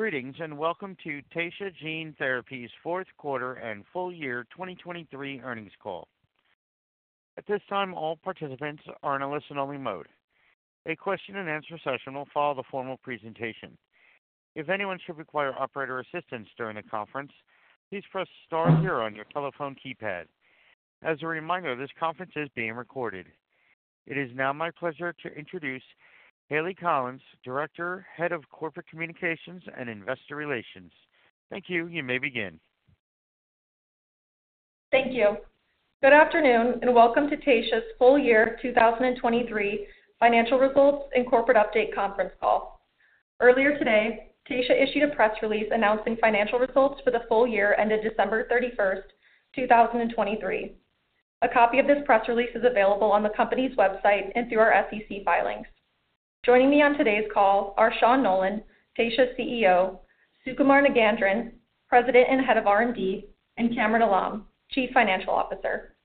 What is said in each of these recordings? Greetings and welcome to Taysha Gene Therapies fourth quarter and full year 2023 earnings call. At this time, all participants are in a listen-only mode. A question-and-answer session will follow the formal presentation. If anyone should require operator assistance during the conference, please press star here on your telephone keypad. As a reminder, this conference is being recorded. It is now my pleasure to introduce Hayleigh Collins, Director, Head of Corporate Communications and Investor Relations. Thank you. You may begin. Thank you. Good afternoon and welcome to Taysha's full year 2023 financial results and corporate update conference call. Earlier today, Taysha issued a press release announcing financial results for the full year ended December 31st, 2023. A copy of this press release is available on the company's website and through our SEC filings. Joining me on today's call are Sean Nolan, Taysha's CEO, Sukumar Nagendran, President and Head of R&D, and Kamran Alam, Chief Financial Officer.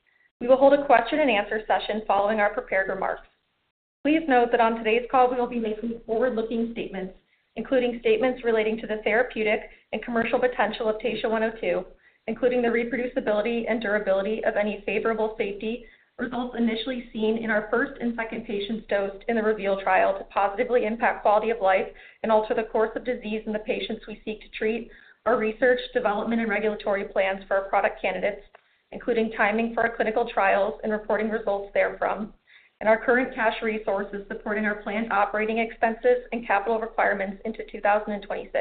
We will hold a question-and-answer session following our prepared remarks. Please note that on today's call we will be making forward-looking statements, including statements relating to the therapeutic and commercial potential of TSHA-102, including the reproducibility and durability of any favorable safety results initially seen in our first and second patients dosed in the REVEAL trial to positively impact quality of life and alter the course of disease in the patients we seek to treat, our research, development, and regulatory plans for our product candidates, including timing for our clinical trials and reporting results therefrom, and our current cash resources supporting our planned operating expenses and capital requirements into 2026.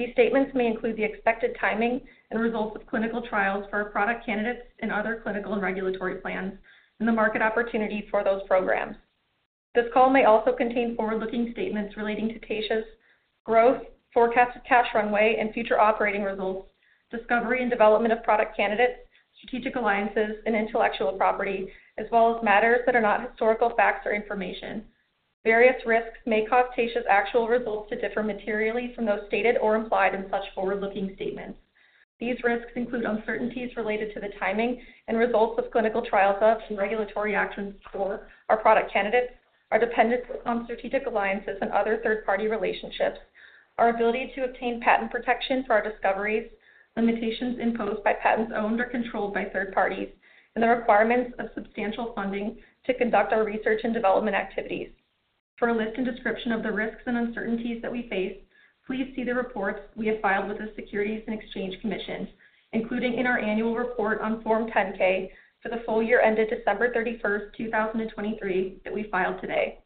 These statements may include the expected timing and results of clinical trials for our product candidates in other clinical and regulatory plans and the market opportunity for those programs. This call may also contain forward-looking statements relating to Taysha's growth, forecasted cash runway, and future operating results, discovery and development of product candidates, strategic alliances, and intellectual property, as well as matters that are not historical facts or information. Various risks may cause Taysha's actual results to differ materially from those stated or implied in such forward-looking statements. These risks include uncertainties related to the timing and results of clinical trials of and regulatory actions for our product candidates, our dependence on strategic alliances and other third-party relationships, our ability to obtain patent protection for our discoveries, limitations imposed by patents owned or controlled by third parties, and the requirements of substantial funding to conduct our research and development activities. For a list and description of the risks and uncertainties that we face, please see the reports we have filed with the Securities and Exchange Commission, including in our annual report on Form 10-K for the full year ended December 31st, 2023, that we filed today.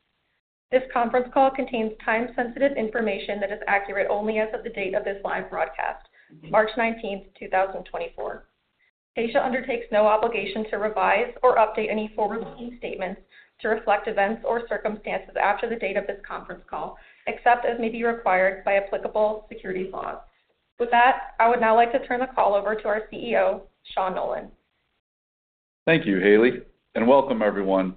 This conference call contains time-sensitive information that is accurate only as of the date of this live broadcast, March 19th, 2024. Taysha undertakes no obligation to revise or update any forward-looking statements to reflect events or circumstances after the date of this conference call, except as may be required by applicable securities laws. With that, I would now like to turn the call over to our CEO, Sean Nolan. Thank you, Hayleigh, and welcome everyone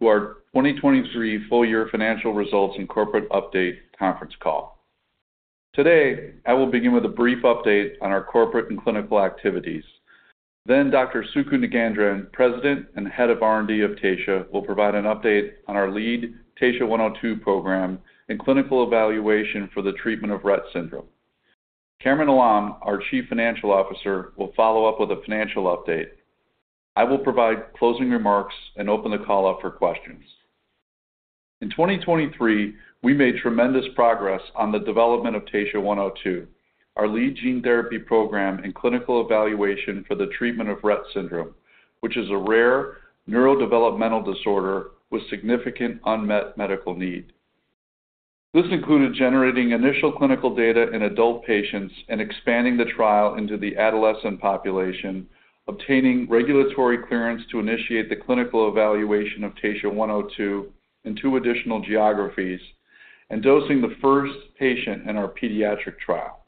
to our 2023 full year financial results and corporate update conference call. Today, I will begin with a brief update on our corporate and clinical activities. Then Dr. Sukumar Nagendran, President and Head of R&D of Taysha, will provide an update on our lead TSHA-102 program and clinical evaluation for the treatment of Rett syndrome. Kamran Alam, our Chief Financial Officer, will follow up with a financial update. I will provide closing remarks and open the call up for questions. In 2023, we made tremendous progress on the development of TSHA-102, our lead gene therapy program and clinical evaluation for the treatment of Rett syndrome, which is a rare neurodevelopmental disorder with significant unmet medical need. This included generating initial clinical data in adult patients and expanding the trial into the adolescent population, obtaining regulatory clearance to initiate the clinical evaluation of TSHA-102 in two additional geographies, and dosing the first patient in our pediatric trial.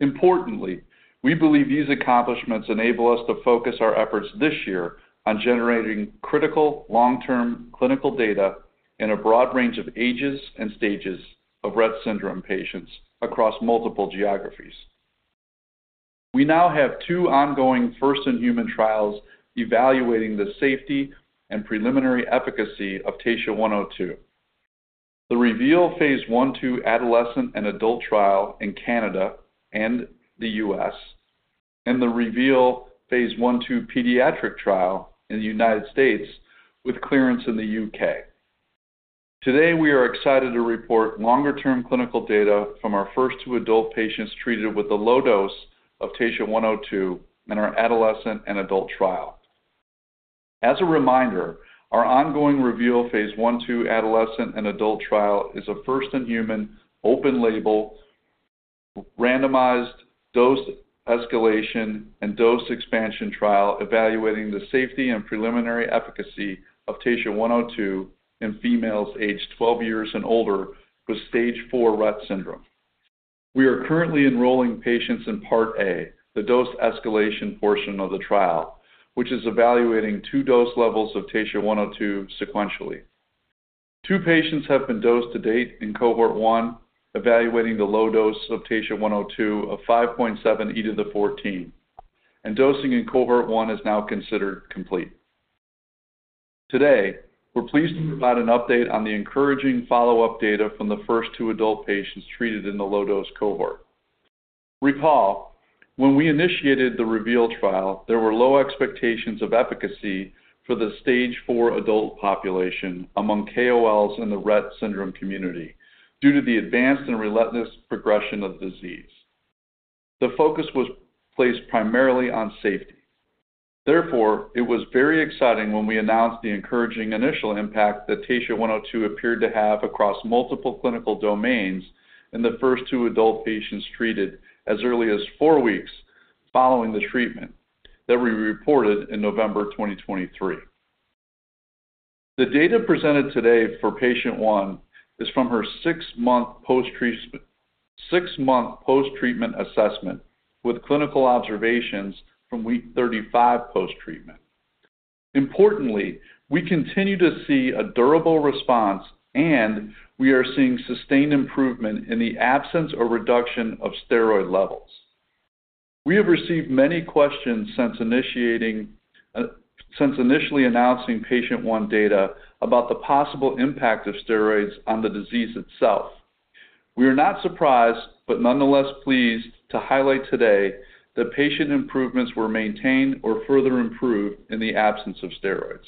Importantly, we believe these accomplishments enable us to focus our efforts this year on generating critical long-term clinical data in a broad range of ages and stages of Rett syndrome patients across multiple geographies. We now have two ongoing first-in-human trials evaluating the safety and preliminary efficacy of TSHA-102: the REVEAL Phase 1/2 adolescent and adult trial in Canada and the US, and the REVEAL Phase 1/2 pediatric trial in the United States with clearance in the UK. Today, we are excited to report longer-term clinical data from our first two adult patients treated with the low dose of TSHA-102 in our adolescent and adult trial. As a reminder, our ongoing REVEAL Phase 1/2 adolescent and adult trial is a first-in-human, open-label, randomized dose escalation and dose expansion trial evaluating the safety and preliminary efficacy of TSHA-102 in females aged 12 years and older with stage IV Rett syndrome. We are currently enrolling patients in Part A, the dose escalation portion of the trial, which is evaluating two dose levels of TSHA-102 sequentially. Two patients have been dosed to date in cohort one, evaluating the low dose of TSHA-102 of 5.7 × 10^14, and dosing in cohort one is now considered complete. Today, we're pleased to provide an update on the encouraging follow-up data from the first two adult patients treated in the low-dose cohort. Recall, when we initiated the REVEAL trial, there were low expectations of efficacy for the stage IV adult population among KOLs in the Rett syndrome community due to the advanced and relentless progression of the disease. The focus was placed primarily on safety. Therefore, it was very exciting when we announced the encouraging initial impact that TSHA-102 appeared to have across multiple clinical domains in the first two adult patients treated as early as four weeks following the treatment that we reported in November 2023. The data presented today for patient one is from her six-month post-treatment assessment with clinical observations from week 35 post-treatment. Importantly, we continue to see a durable response, and we are seeing sustained improvement in the absence or reduction of steroid levels. We have received many questions since initially announcing patient one data about the possible impact of steroids on the disease itself. We are not surprised, but nonetheless pleased to highlight today that patient improvements were maintained or further improved in the absence of steroids.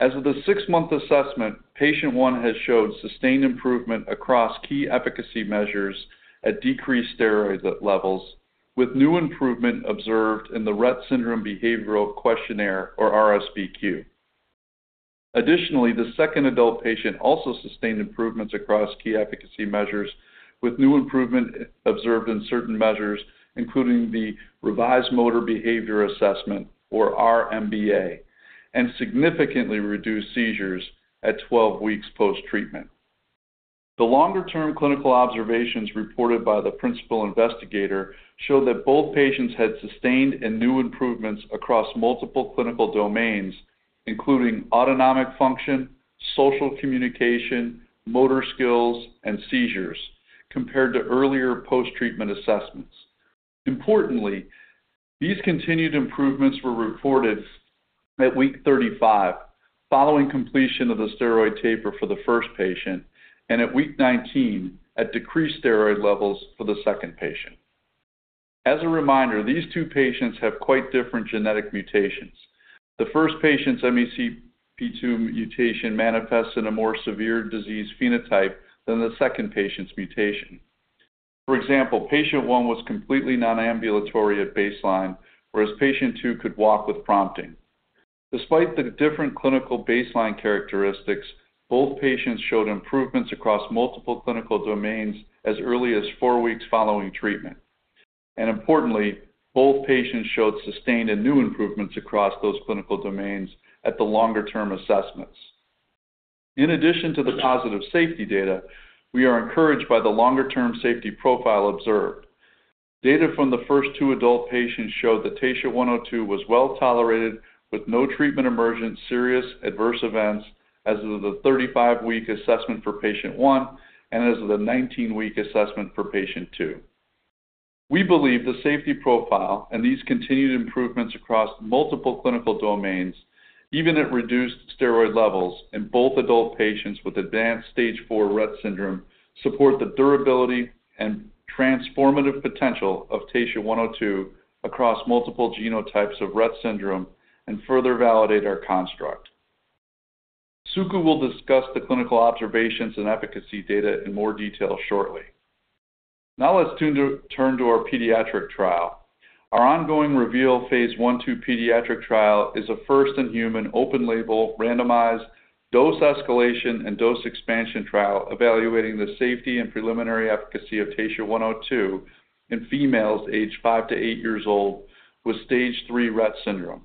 As of the six-month assessment, patient one has showed sustained improvement across key efficacy measures at decreased steroid levels, with new improvement observed in the Rett Syndrome Behavior Questionnaire, or RSBQ. Additionally, the second adult patient also sustained improvements across key efficacy measures, with new improvement observed in certain measures, including the Revised Motor Behavior Assessment, or RMBA, and significantly reduced seizures at 12 weeks post-treatment. The longer-term clinical observations reported by the principal investigator showed that both patients had sustained and new improvements across multiple clinical domains, including autonomic function, social communication, motor skills, and seizures, compared to earlier post-treatment assessments. Importantly, these continued improvements were reported at week 35 following completion of the steroid taper for the first patient, and at week 19 at decreased steroid levels for the second patient. As a reminder, these two patients have quite different genetic mutations. The first patient's MECP2 mutation manifests in a more severe disease phenotype than the second patient's mutation. For example, patient 1 was completely nonambulatory at baseline, whereas patient 2 could walk with prompting. Despite the different clinical baseline characteristics, both patients showed improvements across multiple clinical domains as early as 4 weeks following treatment. Importantly, both patients showed sustained and new improvements across those clinical domains at the longer-term assessments. In addition to the positive safety data, we are encouraged by the longer-term safety profile observed. Data from the first two adult patients showed that TSHA-102 was well tolerated with no treatment emergent, serious, adverse events as of the 35-week assessment for patient 1 and as of the 19-week assessment for patient 2. We believe the safety profile and these continued improvements across multiple clinical domains, even at reduced steroid levels in both adult patients with advanced stage IV Rett syndrome, support the durability and transformative potential of TSHA-102 across multiple genotypes of Rett syndrome and further validate our construct. Sukumar will discuss the clinical observations and efficacy data in more detail shortly. Now let's turn to our pediatric trial. Our ongoing REVEAL Phase 1/2 pediatric trial is a first-in-human, open-label, randomized, dose escalation and dose expansion trial evaluating the safety and preliminary efficacy of TSHA-102 in females aged 5 to 8 years old with stage III Rett syndrome.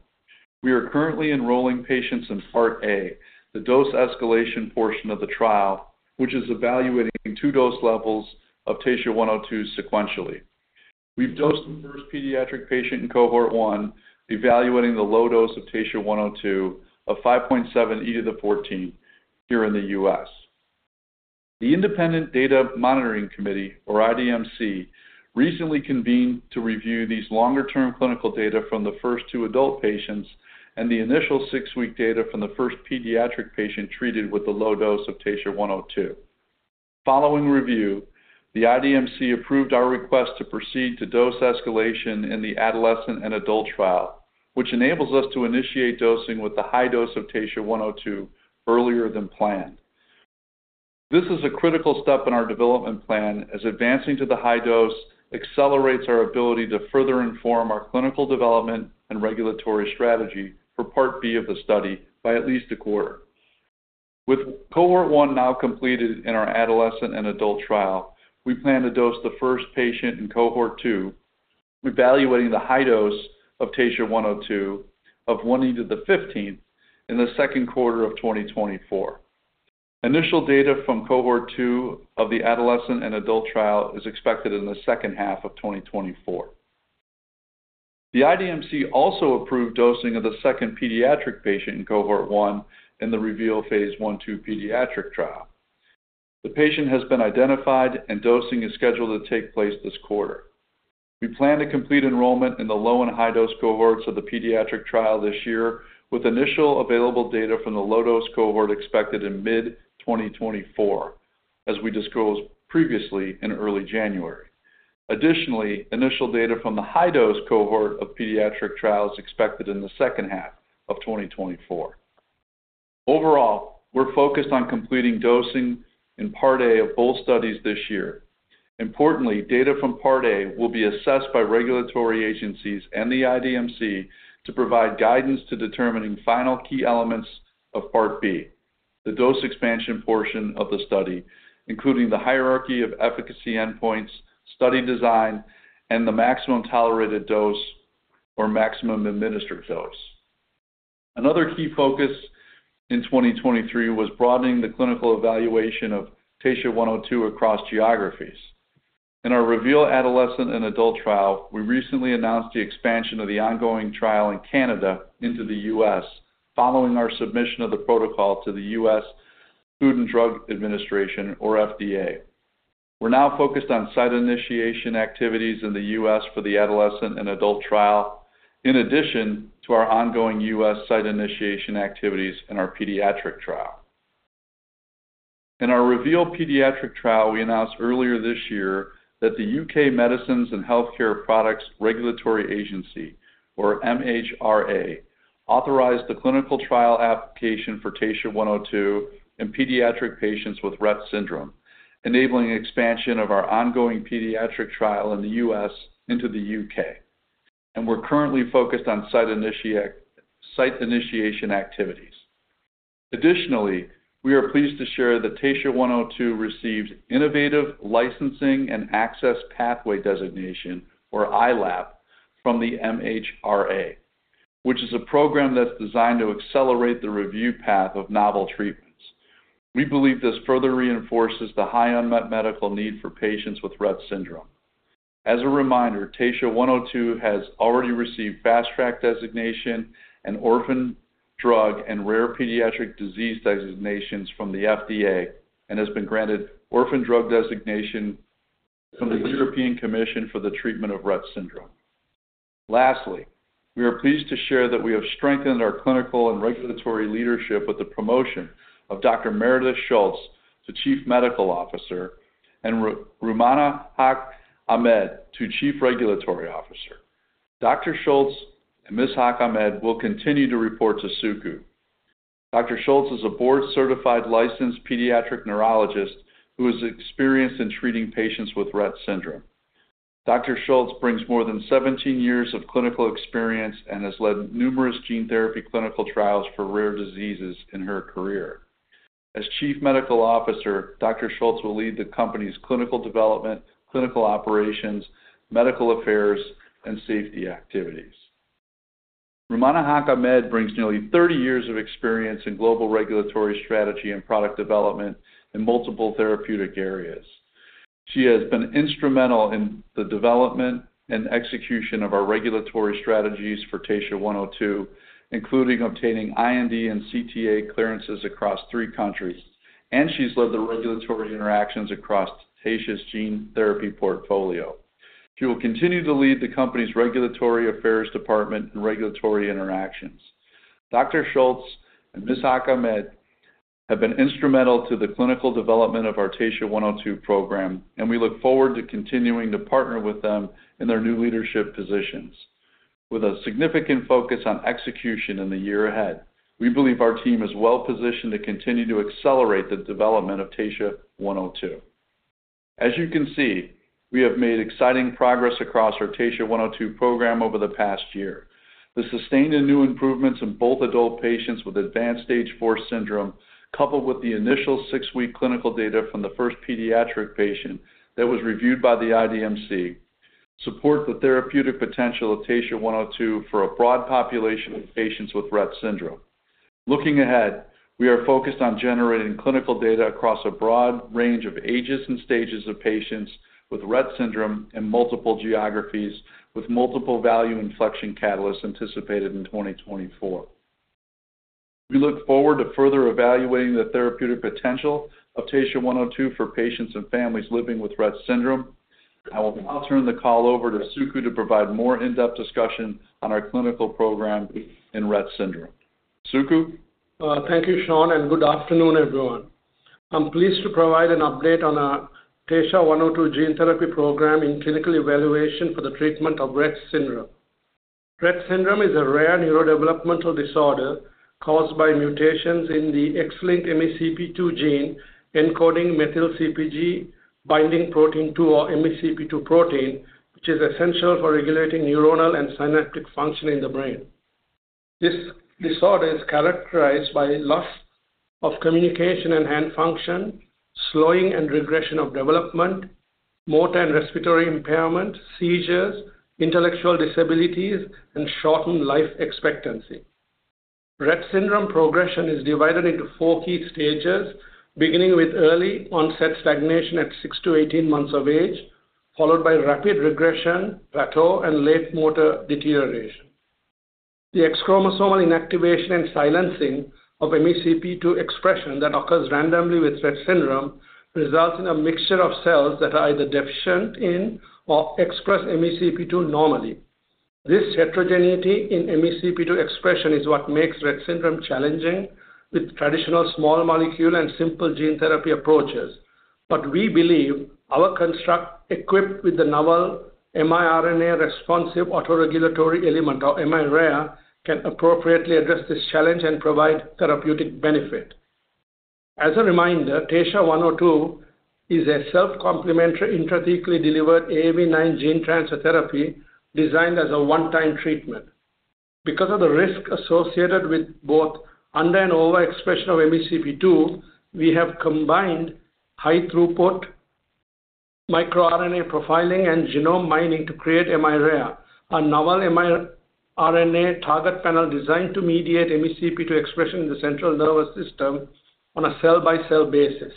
We are currently enrolling patients in Part A, the dose escalation portion of the trial, which is evaluating two dose levels of TSHA-102 sequentially. We've dosed the first pediatric patient in cohort one, evaluating the low dose of TSHA-102 of 5.7 × 10^14 here in the U.S. The Independent Data Monitoring Committee, or IDMC, recently convened to review these longer-term clinical data from the first two adult patients and the initial six-week data from the first pediatric patient treated with the low dose of TSHA-102. Following review, the IDMC approved our request to proceed to dose escalation in the adolescent and adult trial, which enables us to initiate dosing with the high dose of TSHA-102 earlier than planned. This is a critical step in our development plan as advancing to the high dose accelerates our ability to further inform our clinical development and regulatory strategy for Part B of the study by at least a quarter. With cohort one now completed in our adolescent and adult trial, we plan to dose the first patient in cohort two, evaluating the high dose of TSHA-102 of 1 × 10^{15} in the second quarter of 2024. Initial data from cohort two of the adolescent and adult trial is expected in the second half of 2024. The IDMC also approved dosing of the second pediatric patient in cohort one in the REVEAL Phase 1/2 pediatric trial. The patient has been identified, and dosing is scheduled to take place this quarter. We plan to complete enrollment in the low and high dose cohorts of the pediatric trial this year with initial available data from the low dose cohort expected in mid-2024, as we disclosed previously in early January. Additionally, initial data from the high dose cohort of pediatric trial is expected in the second half of 2024. Overall, we're focused on completing dosing in Part A of both studies this year. Importantly, data from Part A will be assessed by regulatory agencies and the IDMC to provide guidance to determining final key elements of Part B, the dose expansion portion of the study, including the hierarchy of efficacy endpoints, study design, and the maximum tolerated dose or maximum administered dose. Another key focus in 2023 was broadening the clinical evaluation of TSHA-102 across geographies. In our REVEAL adolescent and adult trial, we recently announced the expansion of the ongoing trial in Canada into the US following our submission of the protocol to the US Food and Drug Administration, or FDA. We're now focused on site initiation activities in the US for the adolescent and adult trial in addition to our ongoing US site initiation activities in our pediatric trial. In our REVEAL pediatric trial, we announced earlier this year that the UK Medicines and Healthcare Products Regulatory Agency, or MHRA, authorized the clinical trial application for TSHA-102 in pediatric patients with Rett syndrome, enabling expansion of our ongoing pediatric trial in the US into the U.K. We're currently focused on site initiation activities. Additionally, we are pleased to share that TSHA-102 received Innovative Licensing and Access Pathway Designation, or ILAP, from the MHRA, which is a program that's designed to accelerate the review path of novel treatments. We believe this further reinforces the high unmet medical need for patients with Rett syndrome. As a reminder, TSHA-102 has already received Fast-Track Designation and Orphan Drug and Rare Pediatric Disease Designations from the FDA and has been granted Orphan Drug Designation from the European Commission for the treatment of Rett syndrome. Lastly, we are pleased to share that we have strengthened our clinical and regulatory leadership with the promotion of Dr. Meredith Schultz to Chief Medical Officer and Rumana Haque-Ahmed to Chief Regulatory Officer. Dr. Schultz and Ms. Haque-Ahmed will continue to report to Sukumar. Dr. Schultz is a board-certified licensed pediatric neurologist who is experienced in treating patients with Rett syndrome. Dr. Schultz brings more than 17 years of clinical experience and has led numerous gene therapy clinical trials for rare diseases in her career. As Chief Medical Officer, Dr. Schultz will lead the company's clinical development, clinical operations, medical affairs, and safety activities. Rumana Haque-Ahmed brings nearly 30 years of experience in global regulatory strategy and product development in multiple therapeutic areas. She has been instrumental in the development and execution of our regulatory strategies for TSHA-102, including obtaining IND and CTA clearances across three countries, and she's led the regulatory interactions across Taysha's gene therapy portfolio. She will continue to lead the company's regulatory affairs department and regulatory interactions. Dr. Schultz and Ms. Haque-Ahmed have been instrumental to the clinical development of our Taysha 102 program, and we look forward to continuing to partner with them in their new leadership positions. With a significant focus on execution in the year ahead, we believe our team is well positioned to continue to accelerate the development of Taysha 102. As you can see, we have made exciting progress across our Taysha 102 program over the past year. The sustained and new improvements in both adult patients with advanced stage IV syndrome, coupled with the initial six-week clinical data from the first pediatric patient that was reviewed by the IDMC, support the therapeutic potential of Taysha 102 for a broad population of patients with Rett syndrome. Looking ahead, we are focused on generating clinical data across a broad range of ages and stages of patients with Rett syndrome in multiple geographies with multiple value inflection catalysts anticipated in 2024. We look forward to further evaluating the therapeutic potential of TSHA-102 for patients and families living with Rett syndrome. I will now turn the call over to Sukumar to provide more in-depth discussion on our clinical program in Rett syndrome. Sukumar? Thank you, Sean, and good afternoon, everyone. I'm pleased to provide an update on our TSHA-102 gene therapy program in clinical evaluation for the treatment of Rett syndrome. Rett syndrome is a rare neurodevelopmental disorder caused by mutations in the X-linked MECP2 gene encoding methyl-CpG-binding protein 2, or MeCP2 protein, which is essential for regulating neuronal and synaptic function in the brain. This disorder is characterized by loss of communication and hand function, slowing and regression of development, motor and respiratory impairment, seizures, intellectual disabilities, and shortened life expectancy. Rett syndrome progression is divided into four key stages, beginning with early onset stagnation at 6-18 months of age, followed by rapid regression, plateau, and late motor deterioration. The X chromosomal inactivation and silencing of MECP2 expression that occurs randomly with Rett syndrome results in a mixture of cells that are either deficient in or express MECP2 normally. This heterogeneity in MECP2 expression is what makes Rett syndrome challenging with traditional small molecule and simple gene therapy approaches. But we believe our construct, equipped with the novel miRNA-responsive autoregulatory element, or miRARE, can appropriately address this challenge and provide therapeutic benefit. As a reminder, TSHA-102 is a self-complementary intrathecally delivered AAV9 gene transfer therapy designed as a one-time treatment. Because of the risk associated with both under- and overexpression of MECP2, we have combined high throughput microRNA profiling and genome mining to create miRARE, a novel mRNA target panel designed to mediate MECP2 expression in the central nervous system on a cell-by-cell basis.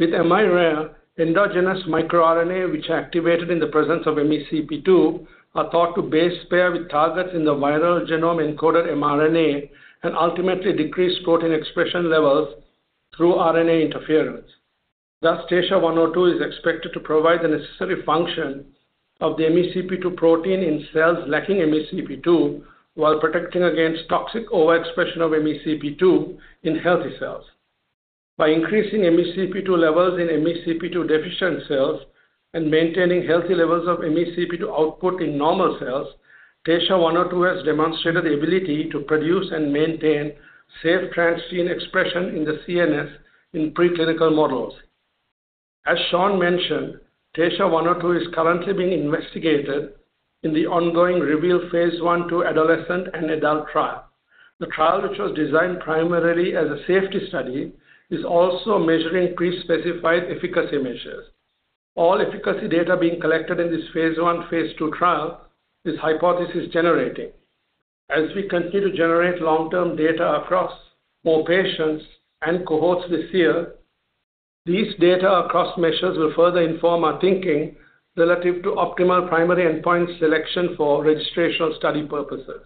With miRARE, endogenous microRNA, which are activated in the presence of MECP2, are thought to base pair with targets in the viral genome encoded mRNA and ultimately decrease protein expression levels through RNA interference. Thus, Taysha 102 is expected to provide the necessary function of the MECP2 protein in cells lacking MECP2 while protecting against toxic overexpression of MECP2 in healthy cells. By increasing MECP2 levels in MECP2-deficient cells and maintaining healthy levels of MECP2 output in normal cells, Taysha 102 has demonstrated the ability to produce and maintain safe transgene expression in the CNS in preclinical models. As Sean mentioned, TSHA-102 is currently being investigated in the ongoing REVEAL phase 1/2 adolescent and adult trial. The trial, which was designed primarily as a safety study, is also measuring prespecified efficacy measures. All efficacy data being collected in this phase 1/2 trial is hypothesis generating. As we continue to generate long-term data across more patients and cohorts this year, these data across measures will further inform our thinking relative to optimal primary endpoint selection for registrational study purposes.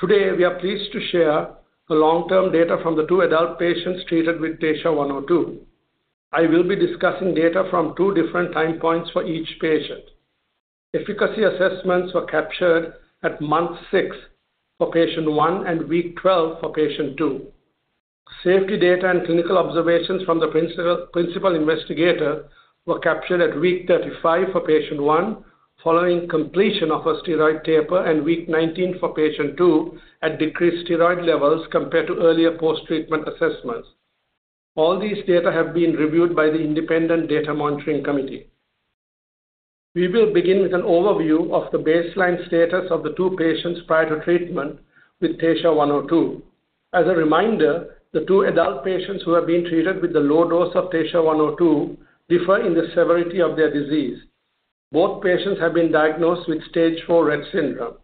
Today, we are pleased to share the long-term data from the two adult patients treated with TSHA-102. I will be discussing data from two different time points for each patient. Efficacy assessments were captured at month six for patient one and week 12 for patient two. Safety data and clinical observations from the principal investigator were captured at week 35 for patient one following completion of a steroid taper and week 19 for patient two at decreased steroid levels compared to earlier post-treatment assessments. All these data have been reviewed by the Independent Data Monitoring Committee. We will begin with an overview of the baseline status of the two patients prior to treatment with Taysha 102. As a reminder, the two adult patients who have been treated with the low dose of Taysha 102 differ in the severity of their disease. Both patients have been diagnosed with stage IV Rett syndrome,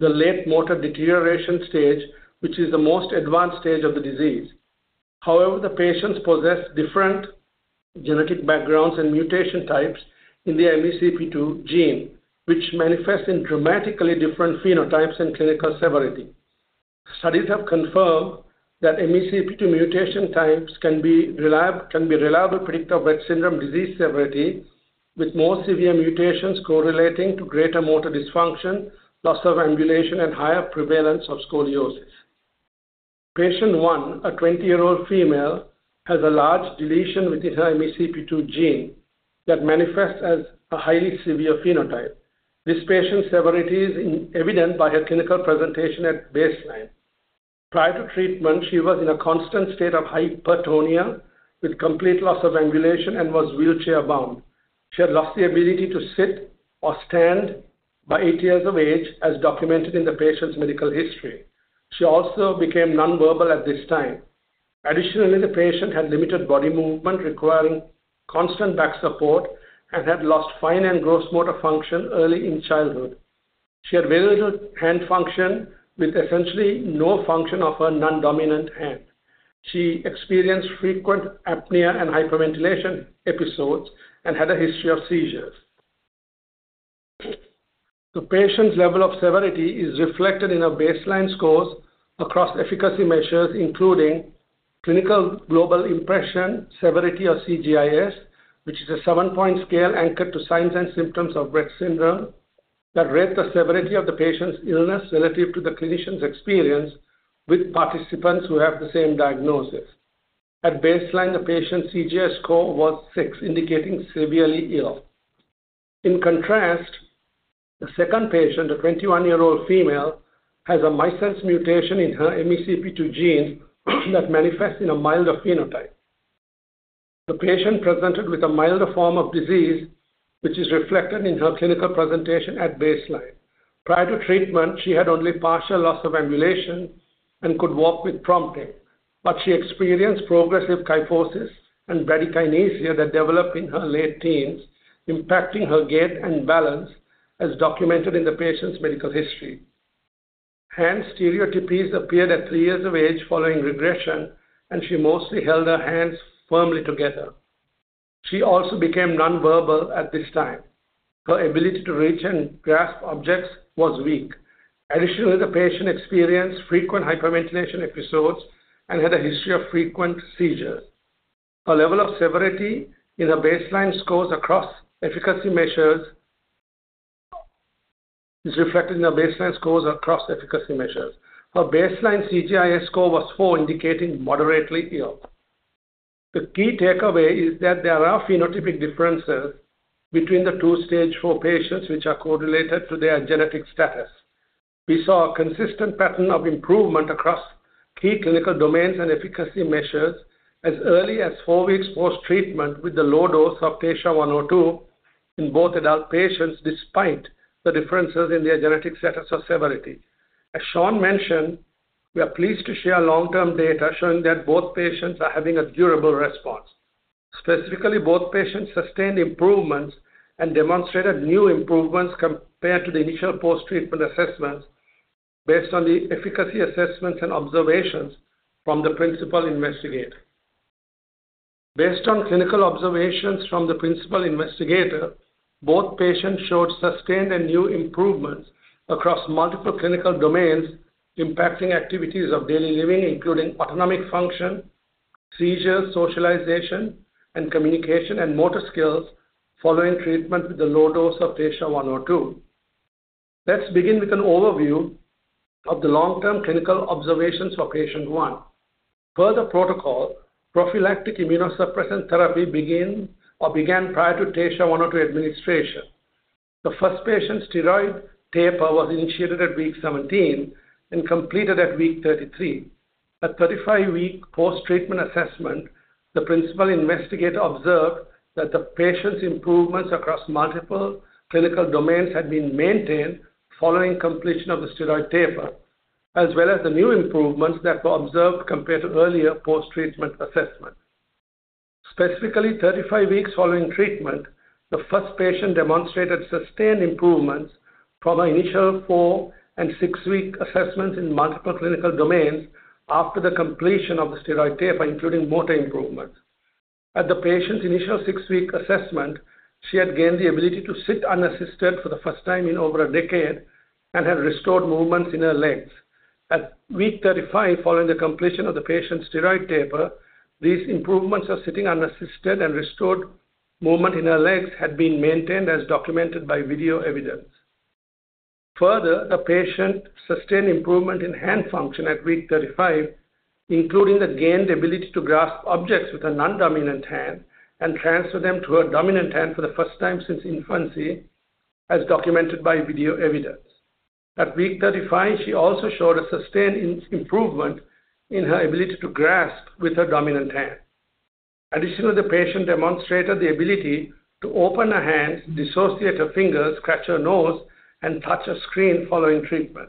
the late motor deterioration stage, which is the most advanced stage of the disease. However, the patients possess different genetic backgrounds and mutation types in the MECP2 gene, which manifest in dramatically different phenotypes and clinical severity. Studies have confirmed that MECP2 mutation types can be reliable predictor of Rett syndrome disease severity with more severe mutations correlating to greater motor dysfunction, loss of ambulation, and higher prevalence of scoliosis. Patient one, a 20-year-old female, has a large deletion within her MECP2 gene that manifests as a highly severe phenotype. This patient's severity is evident by her clinical presentation at baseline. Prior to treatment, she was in a constant state of hypertonia with complete loss of ambulation and was wheelchair-bound. She had lost the ability to sit or stand by eight years of age, as documented in the patient's medical history. She also became nonverbal at this time. Additionally, the patient had limited body movement requiring constant back support and had lost fine and gross motor function early in childhood. She had very little hand function with essentially no function of her nondominant hand. She experienced frequent apnea and hyperventilation episodes and had a history of seizures. The patient's level of severity is reflected in her baseline scores across efficacy measures, including Clinical Global Impression Severity or CGI-S, which is a seven-point scale anchored to signs and symptoms of Rett syndrome that rate the severity of the patient's illness relative to the clinician's experience with participants who have the same diagnosis. At baseline, the patient's CGI-S score was six, indicating severely ill. In contrast, the second patient, a 21-year-old female, has a missense mutation in her MECP2 gene that manifests in a milder phenotype. The patient presented with a milder form of disease, which is reflected in her clinical presentation at baseline. Prior to treatment, she had only partial loss of ambulation and could walk with prompting, but she experienced progressive kyphosis and bradykinesia that developed in her late teens, impacting her gait and balance, as documented in the patient's medical history. Hand stereotypies appeared at 3 years of age following regression, and she mostly held her hands firmly together. She also became nonverbal at this time. Her ability to reach and grasp objects was weak. Additionally, the patient experienced frequent hyperventilation episodes and had a history of frequent seizures. Her level of severity in her baseline scores across efficacy measures is reflected in her baseline scores across efficacy measures. Her baseline CGI-S score was 4, indicating moderately ill. The key takeaway is that there are phenotypic differences between the 2 stage IV patients, which are correlated to their genetic status. We saw a consistent pattern of improvement across key clinical domains and efficacy measures as early as four weeks post-treatment with the low dose of TSHA-102 in both adult patients, despite the differences in their genetic status or severity. As Sean mentioned, we are pleased to share long-term data showing that both patients are having a durable response. Specifically, both patients sustained improvements and demonstrated new improvements compared to the initial post-treatment assessments based on the efficacy assessments and observations from the principal investigator. Based on clinical observations from the principal investigator, both patients showed sustained and new improvements across multiple clinical domains, impacting activities of daily living, including autonomic function, seizures, socialization, and communication, and motor skills following treatment with the low dose of TSHA-102. Let's begin with an overview of the long-term clinical observations for patient one. Per the protocol, prophylactic immunosuppressant therapy began prior to TSHA-102 administration. The first patient's steroid taper was initiated at week 17 and completed at week 33. At 35-week post-treatment assessment, the principal investigator observed that the patient's improvements across multiple clinical domains had been maintained following completion of the steroid taper, as well as the new improvements that were observed compared to earlier post-treatment assessment. Specifically, 35 weeks following treatment, the first patient demonstrated sustained improvements from her initial 4- and 6-week assessments in multiple clinical domains after the completion of the steroid taper, including motor improvements. At the patient's initial 6-week assessment, she had gained the ability to sit unassisted for the first time in over a decade and had restored movements in her legs. At week 35 following the completion of the patient's steroid taper, these improvements of sitting unassisted and restored movement in her legs had been maintained, as documented by video evidence. Further, the patient sustained improvement in hand function at week 35, including the gained ability to grasp objects with her nondominant hand and transfer them to her dominant hand for the first time since infancy, as documented by video evidence. At week 35, she also showed a sustained improvement in her ability to grasp with her dominant hand. Additionally, the patient demonstrated the ability to open her hands, dissociate her fingers, scratch her nose, and touch a screen following treatment.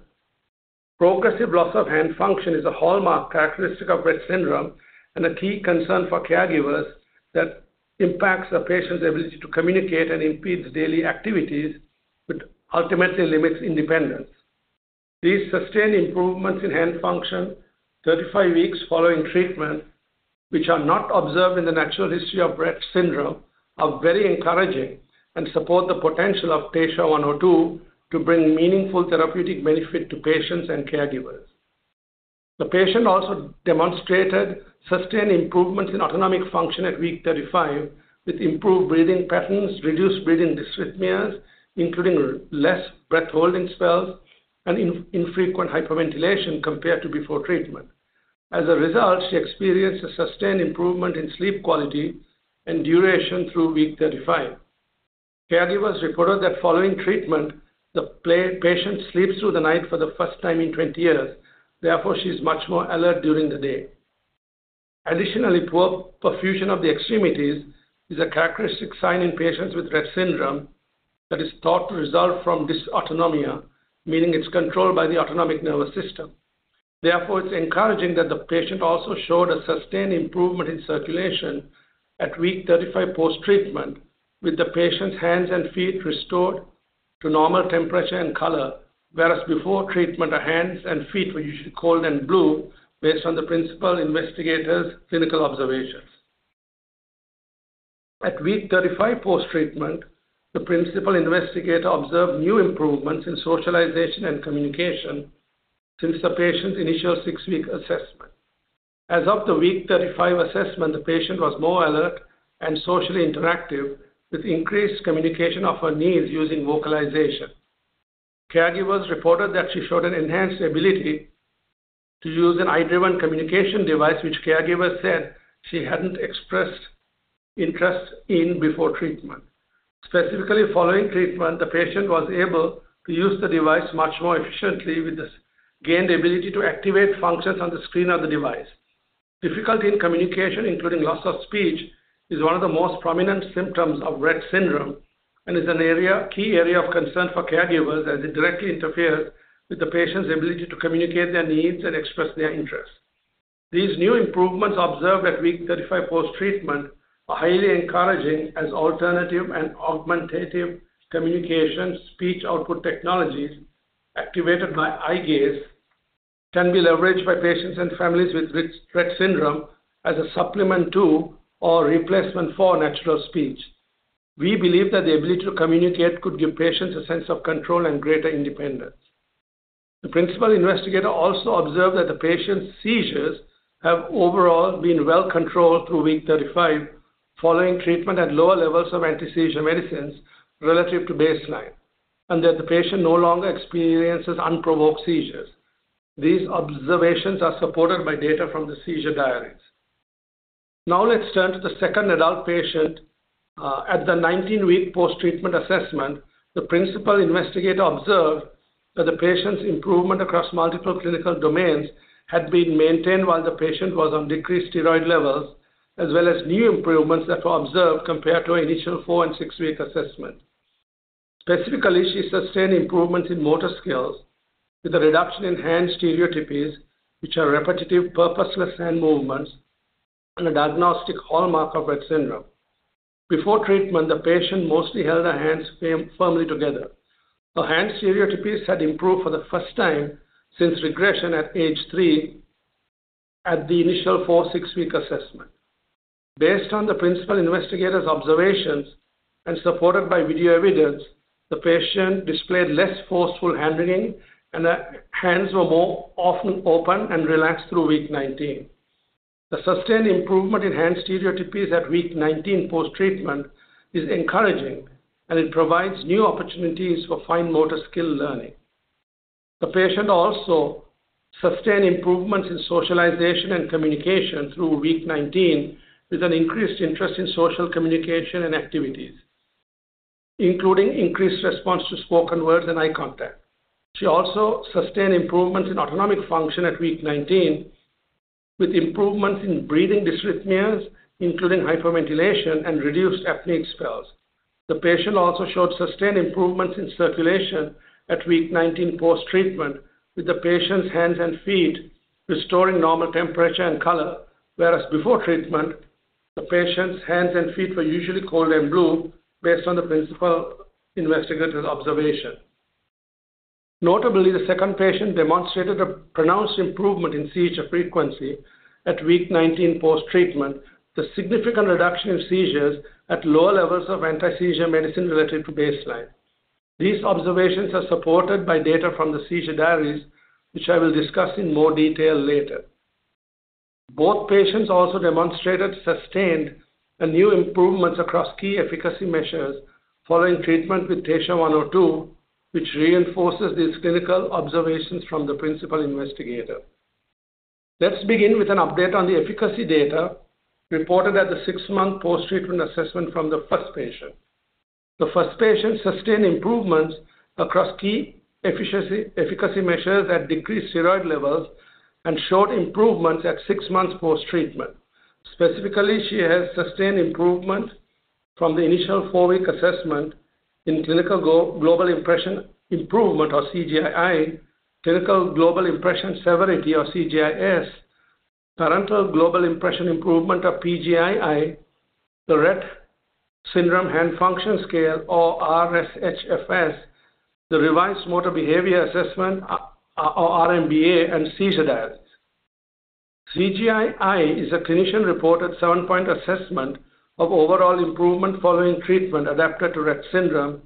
Progressive loss of hand function is a hallmark characteristic of Rett syndrome and a key concern for caregivers that impacts a patient's ability to communicate and impedes daily activities, which ultimately limits independence. These sustained improvements in hand function, 35 weeks following treatment, which are not observed in the natural history of Rett syndrome, are very encouraging and support the potential of TSHA-102 to bring meaningful therapeutic benefit to patients and caregivers. The patient also demonstrated sustained improvements in autonomic function at week 35 with improved breathing patterns, reduced breathing dysrhythmias, including less breath-holding spells, and infrequent hyperventilation compared to before treatment. As a result, she experienced a sustained improvement in sleep quality and duration through week 35. Caregivers reported that following treatment, the patient sleeps through the night for the first time in 20 years. Therefore, she is much more alert during the day. Additionally, poor perfusion of the extremities is a characteristic sign in patients with Rett syndrome that is thought to result from dysautonomia, meaning it's controlled by the autonomic nervous system. Therefore, it's encouraging that the patient also showed a sustained improvement in circulation at week 35 post-treatment, with the patient's hands and feet restored to normal temperature and color, whereas before treatment, her hands and feet were usually cold and blue based on the principal investigator's clinical observations. At week 35 post-treatment, the principal investigator observed new improvements in socialization and communication since the patient's initial 6-week assessment. As of the week 35 assessment, the patient was more alert and socially interactive, with increased communication of her needs using vocalization. Caregivers reported that she showed an enhanced ability to use an eye-driven communication device, which caregivers said she hadn't expressed interest in before treatment. Specifically, following treatment, the patient was able to use the device much more efficiently, with the gained ability to activate functions on the screen of the device. Difficulty in communication, including loss of speech, is one of the most prominent symptoms of Rett syndrome and is a key area of concern for caregivers, as it directly interferes with the patient's ability to communicate their needs and express their interests. These new improvements observed at week 35 post-treatment are highly encouraging, as alternative and augmentative communication speech output technologies activated by eye gaze can be leveraged by patients and families with Rett syndrome as a supplement to or replacement for natural speech. We believe that the ability to communicate could give patients a sense of control and greater independence. The principal investigator also observed that the patient's seizures have overall been well controlled through week 35 following treatment at lower levels of antiseizure medicines relative to baseline, and that the patient no longer experiences unprovoked seizures. These observations are supported by data from the seizure diaries. Now, let's turn to the second adult patient. At the 19-week post-treatment assessment, the principal investigator observed that the patient's improvement across multiple clinical domains had been maintained while the patient was on decreased steroid levels, as well as new improvements that were observed compared to her initial 4- and 6-week assessment. Specifically, she sustained improvements in motor skills with a reduction in hand stereotypes, which are repetitive purposeless hand movements and a diagnostic hallmark of Rett syndrome. Before treatment, the patient mostly held her hands firmly together. Her hand stereotypes had improved for the first time since regression at age 3 at the initial 4- and 6-week assessment. Based on the principal investigator's observations and supported by video evidence, the patient displayed less forceful hand wringing and her hands were more often open and relaxed through week 19. The sustained improvement in hand stereotypes at week 19 post-treatment is encouraging, and it provides new opportunities for fine motor skill learning. The patient also sustained improvements in socialization and communication through week 19, with an increased interest in social communication and activities, including increased response to spoken words and eye contact. She also sustained improvements in autonomic function at week 19, with improvements in breathing dysrhythmias, including hyperventilation and reduced apneic spells. The patient also showed sustained improvements in circulation at week 19 post-treatment, with the patient's hands and feet restoring normal temperature and color, whereas before treatment, the patient's hands and feet were usually cold and blue based on the principal investigator's observation. Notably, the second patient demonstrated a pronounced improvement in seizure frequency at week 19 post-treatment, with a significant reduction in seizures at lower levels of antiseizure medicine relative to baseline. These observations are supported by data from the seizure diaries, which I will discuss in more detail later. Both patients also demonstrated sustained and new improvements across key efficacy measures following treatment with TSHA-102, which reinforces these clinical observations from the principal investigator. Let's begin with an update on the efficacy data reported at the six-month post-treatment assessment from the first patient. The first patient sustained improvements across key efficacy measures at decreased steroid levels and showed improvements at six months post-treatment. Specifically, she has sustained improvement from the initial four-week assessment in Clinical Global Impression Improvement or CGI-I, clinical global impression severity or CGI-S, Parental Global Impression Improvement or PGI-I, the Rett Syndrome Hand Function Scale or RSHFS, the revised motor behavior assessment or RMBA, and seizure diaries. CGI-I is a clinician-reported 7-point assessment of overall improvement following treatment adapted to Rett syndrome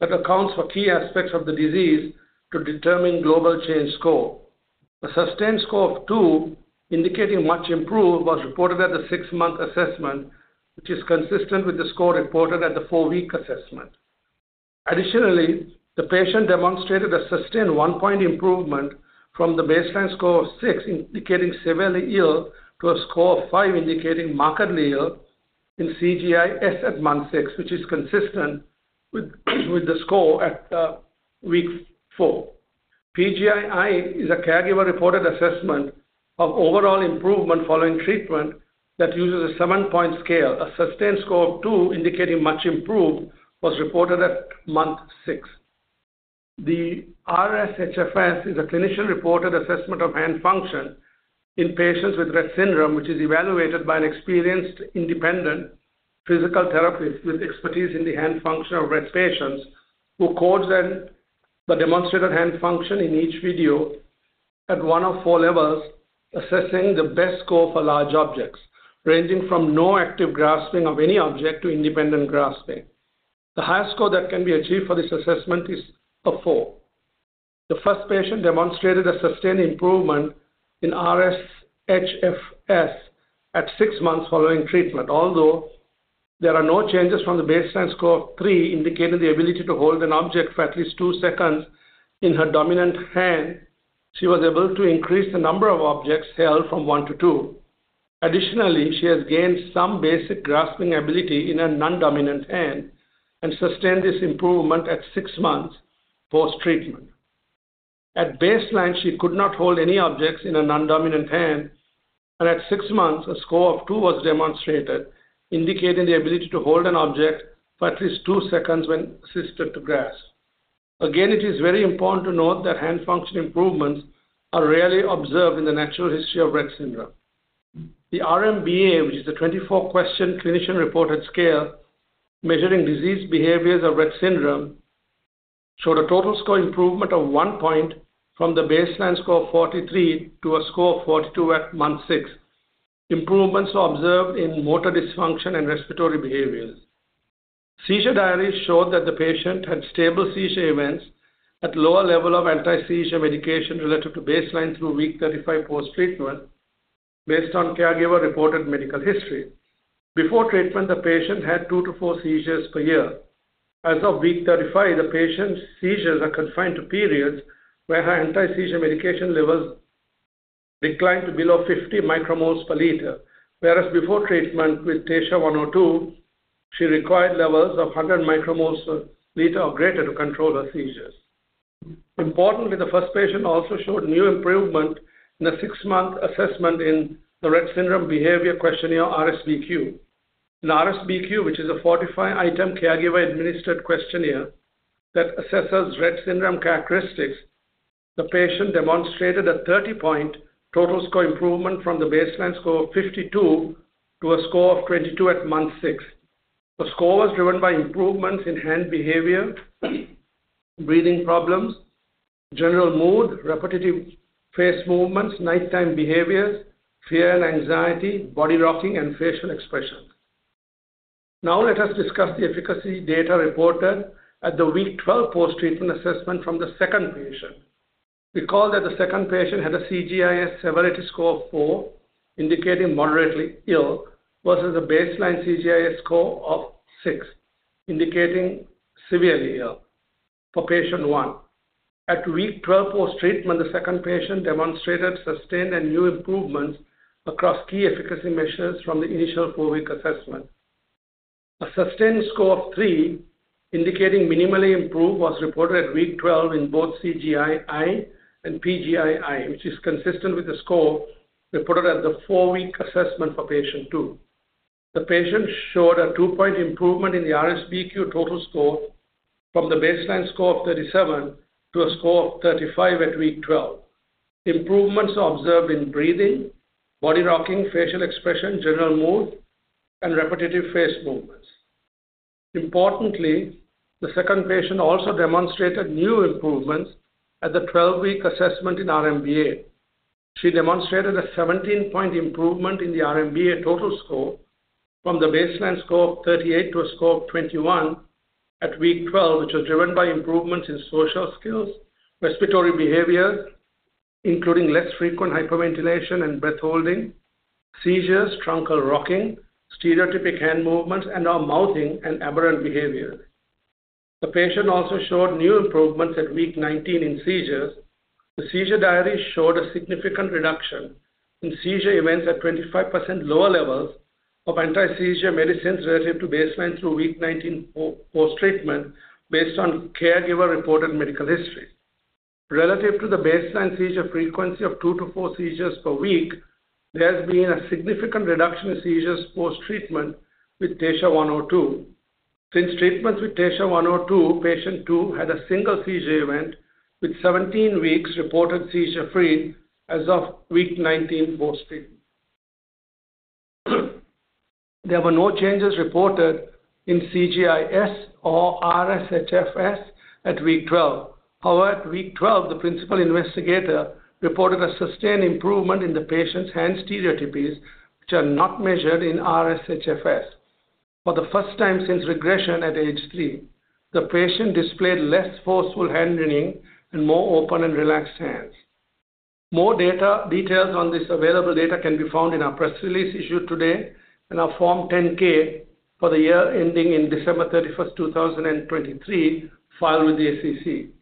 that accounts for key aspects of the disease to determine global change score. A sustained score of 2, indicating much improved, was reported at the 6-month assessment, which is consistent with the score reported at the 4-week assessment. Additionally, the patient demonstrated a sustained 1-point improvement from the baseline score of 6, indicating severely ill, to a score of 5, indicating markedly ill, in CGI-S at month 6, which is consistent with the score at week 4. PGI-I is a caregiver-reported assessment of overall improvement following treatment that uses a 7-point scale. A sustained score of 2, indicating much improved, was reported at month 6. The RSHFS is a clinician-reported assessment of hand function in patients with Rett syndrome, which is evaluated by an experienced independent physical therapist with expertise in the hand function of Rett patients, who codes the demonstrated hand function in each video at one of four levels, assessing the best score for large objects, ranging from no active grasping of any object to independent grasping. The highest score that can be achieved for this assessment is a four. The first patient demonstrated a sustained improvement in RSHFS at six months following treatment, although there are no changes from the baseline score of three, indicating the ability to hold an object for at least two seconds in her dominant hand. She was able to increase the number of objects held from one to two. Additionally, she has gained some basic grasping ability in her nondominant hand and sustained this improvement at 6 months post-treatment. At baseline, she could not hold any objects in her nondominant hand, and at 6 months, a score of 2 was demonstrated, indicating the ability to hold an object for at least 2 seconds when assisted to grasp. Again, it is very important to note that hand function improvements are rarely observed in the natural history of Rett syndrome. The RMBA, which is a 24-question clinician-reported scale measuring disease behaviors of Rett syndrome, showed a total score improvement of 1 point from the baseline score of 43 to a score of 42 at month 6. Improvements were observed in motor dysfunction and respiratory behaviors. Seizure diaries showed that the patient had stable seizure events at a lower level of antiseizure medication relative to baseline through week 35 post-treatment, based on caregiver-reported medical history. Before treatment, the patient had 2-4 seizures per year. As of week 35, the patient's seizures are confined to periods where her antiseizure medication levels declined to below 50 micromoles per liter, whereas before treatment with TSHA-102, she required levels of 100 micromoles per liter or greater to control her seizures. Importantly, the first patient also showed new improvement in the six-month assessment in the Rett syndrome behavior questionnaire, RSBQ. In RSBQ, which is a 45-item caregiver-administered questionnaire that assesses Rett syndrome characteristics, the patient demonstrated a 30-point total score improvement from the baseline score of 52 to a score of 22 at month six. The score was driven by improvements in hand behavior, breathing problems, general mood, repetitive face movements, nighttime behaviors, fear and anxiety, body rocking, and facial expressions. Now, let us discuss the efficacy data reported at the week 12 post-treatment assessment from the second patient. Recall that the second patient had a CGI-S severity score of four, indicating moderately ill, versus a baseline CGI-S score of six, indicating severely ill for patient one. At week 12 post-treatment, the second patient demonstrated sustained and new improvements across key efficacy measures from the initial four-week assessment. A sustained score of three, indicating minimally improved, was reported at week 12 in both CGI-I and PGI-I, which is consistent with the score reported at the four-week assessment for patient two. The patient showed a two-point improvement in the RSBQ total score from the baseline score of 37 to a score of 35 at week 12. Improvements were observed in breathing, body rocking, facial expression, general mood, and repetitive face movements. Importantly, the second patient also demonstrated new improvements at the 12-week assessment in RMBA. She demonstrated a 17-point improvement in the RMBA total score from the baseline score of 38 to a score of 21 at week 12, which was driven by improvements in social skills, respiratory behaviors, including less frequent hyperventilation and breath holding, seizures, truncal rocking, stereotypic hand movements, and/or mouthing and aberrant behaviors. The patient also showed new improvements at week 19 in seizures. The seizure diaries showed a significant reduction in seizure events at 25% lower levels of antiseizure medicines relative to baseline through week 19 post-treatment, based on caregiver-reported medical history. Relative to the baseline seizure frequency of two-four seizures per week, there has been a significant reduction in seizures post-treatment with TSHA-102. Since treatment with TSHA-102, patient two had a single seizure event with 17 weeks reported seizure-free as of week 19 post-treatment. There were no changes reported in CGI-S or RSHFS at week 12. However, at week 12, the principal investigator reported a sustained improvement in the patient's hand stereotypes, which are not measured in RSHFS. For the first time since regression at age three, the patient displayed less forceful hand wringing and more open and relaxed hands. More details on this available data can be found in our press release issued today and our Form 10-K for the year ending December 31st, 2023, filed with the SEC.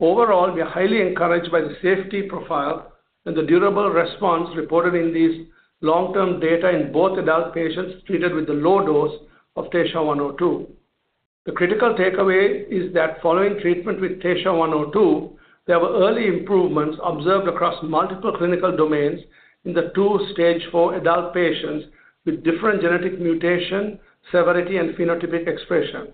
Overall, we are highly encouraged by the safety profile and the durable response reported in these long-term data in both adult patients treated with the low dose of TSHA-102. The critical takeaway is that following treatment with TSHA-102, there were early improvements observed across multiple clinical domains in the two stage four adult patients with different genetic mutation, severity, and phenotypic expression.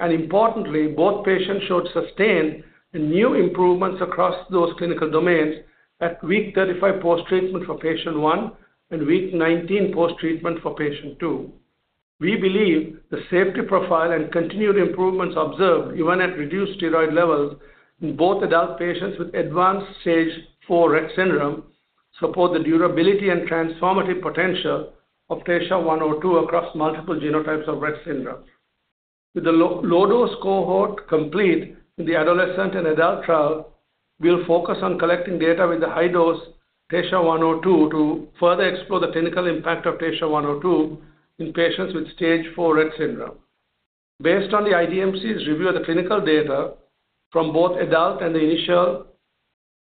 Importantly, both patients showed sustained and new improvements across those clinical domains at week 35 post-treatment for patient one and week 19 post-treatment for patient two. We believe the safety profile and continued improvements observed, even at reduced steroid levels in both adult patients with advanced stage 4 Rett syndrome, support the durability and transformative potential of TSHA-102 across multiple genotypes of Rett syndrome. With the low-dose cohort complete in the adolescent and adult trial, we will focus on collecting data with the high-dose TSHA-102 to further explore the clinical impact of TSHA-102 in patients with stage four Rett syndrome. Based on the IDMC's review of the clinical data from both adult and the initial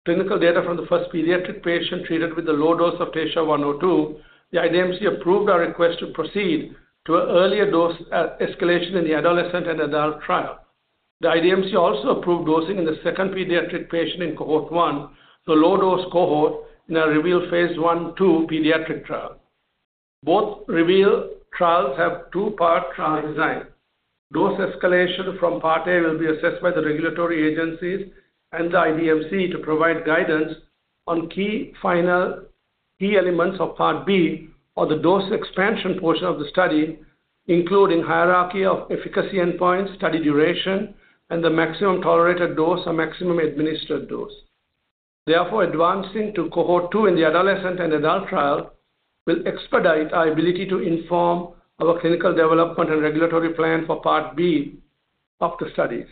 clinical data from the first pediatric patient treated with the low dose of TSHA-102, the IDMC approved our request to proceed to an earlier dose escalation in the adolescent and adult trial. The IDMC also approved dosing in the second pediatric patient in cohort one, the low-dose cohort, in our REVEAL phase 1/2 pediatric trial. Both REVEAL trials have two-part trial design. Dose escalation from Part A will be assessed by the regulatory agencies and the IDMC to provide guidance on key elements of Part B or the dose expansion portion of the study, including hierarchy of efficacy endpoints, study duration, and the maximum tolerated dose or maximum administered dose. Therefore, advancing to cohort two in the adolescent and adult trial will expedite our ability to inform our clinical development and regulatory plan for Part B of the studies.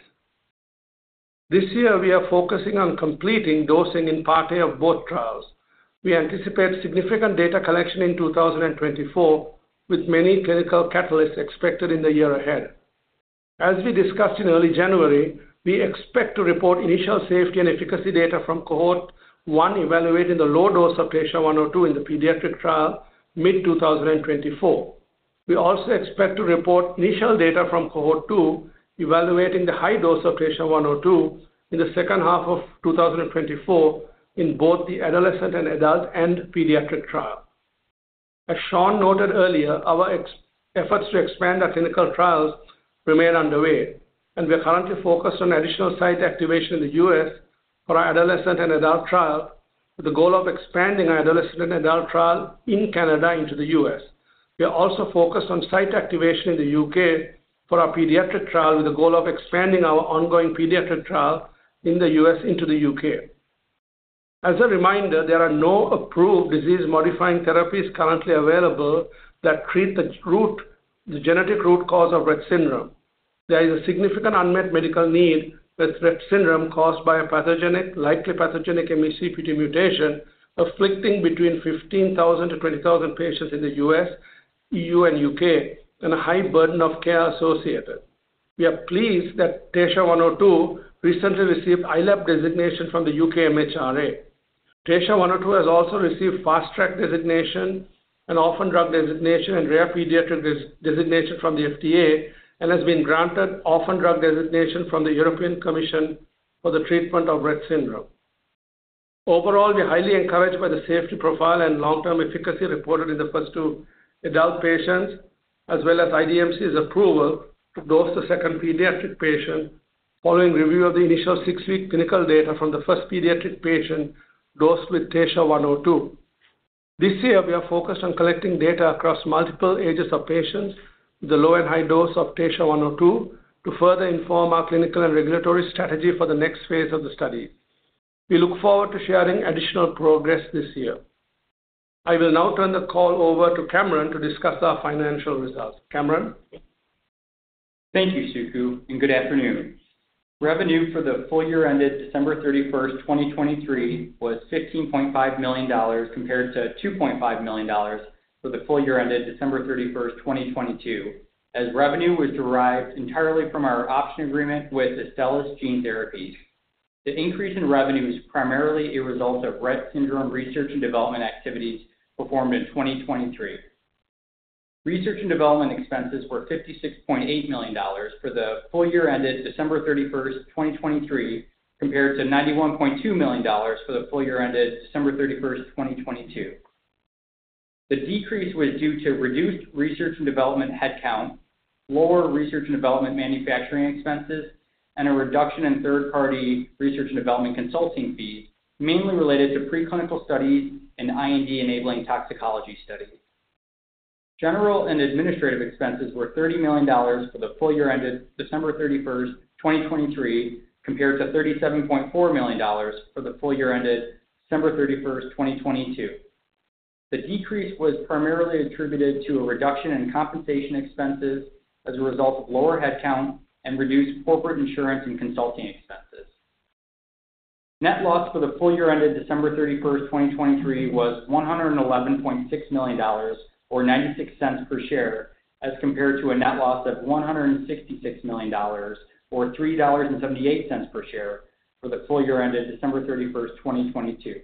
This year, we are focusing on completing dosing in Part A of both trials. We anticipate significant data collection in 2024, with many clinical catalysts expected in the year ahead. As we discussed in early January, we expect to report initial safety and efficacy data from cohort one evaluating the low dose of TSHA-102 in the pediatric trial mid-2024. We also expect to report initial data from cohort two evaluating the high dose of TSHA-102 in the second half of 2024 in both the adolescent and adult and pediatric trial. As Sean noted earlier, our efforts to expand our clinical trials remain underway, and we are currently focused on additional site activation in the U.S. for our adolescent and adult trial with the goal of expanding our adolescent and adult trial in Canada into the U.S. We are also focused on site activation in the U.K. for our pediatric trial with the goal of expanding our ongoing pediatric trial in the U.S. into the U.K. As a reminder, there are no approved disease-modifying therapies currently available that treat the genetic root cause of Rett syndrome. There is a significant unmet medical need with Rett syndrome caused by a likely pathogenic MECP2 mutation afflicting between 15,000-20,000 patients in the U.S., E.U., and U.K., and a high burden of care associated. We are pleased that TSHA-102 recently received ILAP designation from the U.K. MHRA. TSHA-102 has also received Fast Track Designation and Orphan Drug Designation and Rare Pediatric Disease Designation from the FDA and has been granted Orphan Drug Designation from the European Commission for the treatment of Rett syndrome. Overall, we are highly encouraged by the safety profile and long-term efficacy reported in the first two adult patients, as well as IDMC's approval to dose the second pediatric patient following review of the initial 6-week clinical data from the first pediatric patient dosed with TSHA-102. This year, we are focused on collecting data across multiple ages of patients with the low and high dose of TSHA-102 to further inform our clinical and regulatory strategy for the next phase of the studies. We look forward to sharing additional progress this year. I will now turn the call over to Kamran to discuss our financial results. Kamran? Thank you, Suku, and good afternoon. Revenue for the full year-ended December 31st, 2023, was $15.5 million compared to $2.5 million for the full year-ended December 31st, 2022, as revenue was derived entirely from our option agreement with Astellas Gene Therapies. The increase in revenue is primarily a result of Rett syndrome research and development activities performed in 2023. Research and development expenses were $56.8 million for the full year-ended December 31st, 2023, compared to $91.2 million for the full year-ended December 31st, 2022. The decrease was due to reduced research and development headcount, lower research and development manufacturing expenses, and a reduction in third-party research and development consulting fees, mainly related to preclinical studies and R&D-enabling toxicology studies. General and administrative expenses were $30 million for the full year-ended December 31st, 2023, compared to $37.4 million for the full year-ended December 31st, 2022. The decrease was primarily attributed to a reduction in compensation expenses as a result of lower headcount and reduced corporate insurance and consulting expenses. Net loss for the full year-ended December 31, 2023, was $111.6 million or $0.96 per share as compared to a net loss of $166 million or $3.78 per share for the full year-ended December 31, 2022.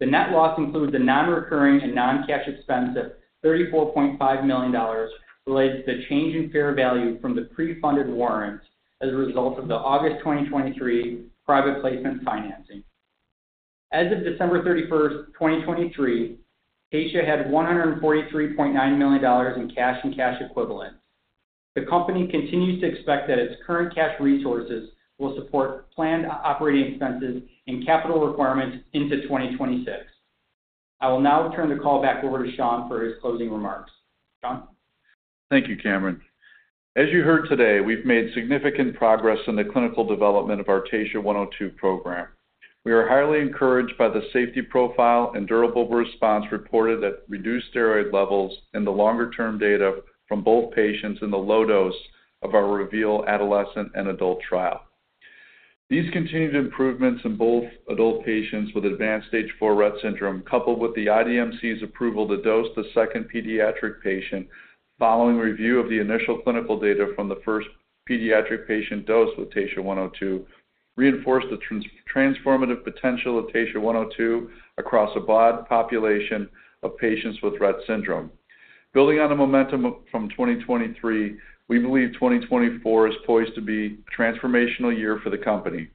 The net loss includes a non-recurring and non-cash expense of $34.5 million related to the change in fair value from the pre-funded warrant as a result of the August 2023 private placement financing. As of December 31, 2023, Taysha had $143.9 million in cash and cash equivalents. The company continues to expect that its current cash resources will support planned operating expenses and capital requirements into 2026. I will now turn the call back over to Sean for his closing remarks. Sean? Thank you, Kamran. As you heard today, we've made significant progress in the clinical development of our TSHA-102 program. We are highly encouraged by the safety profile and durable response reported at reduced steroid levels in the longer-term data from both patients in the low dose of our REVEAL adolescent and adult trial. These continued improvements in both adult patients with advanced stage 4 Rett syndrome, coupled with the IDMC's approval to dose the second pediatric patient following review of the initial clinical data from the first pediatric patient dosed with TSHA-102, reinforced the transformative potential of TSHA-102 across a broad population of patients with Rett syndrome. Building on the momentum from 2023, we believe 2024 is poised to be a transformational year for the company.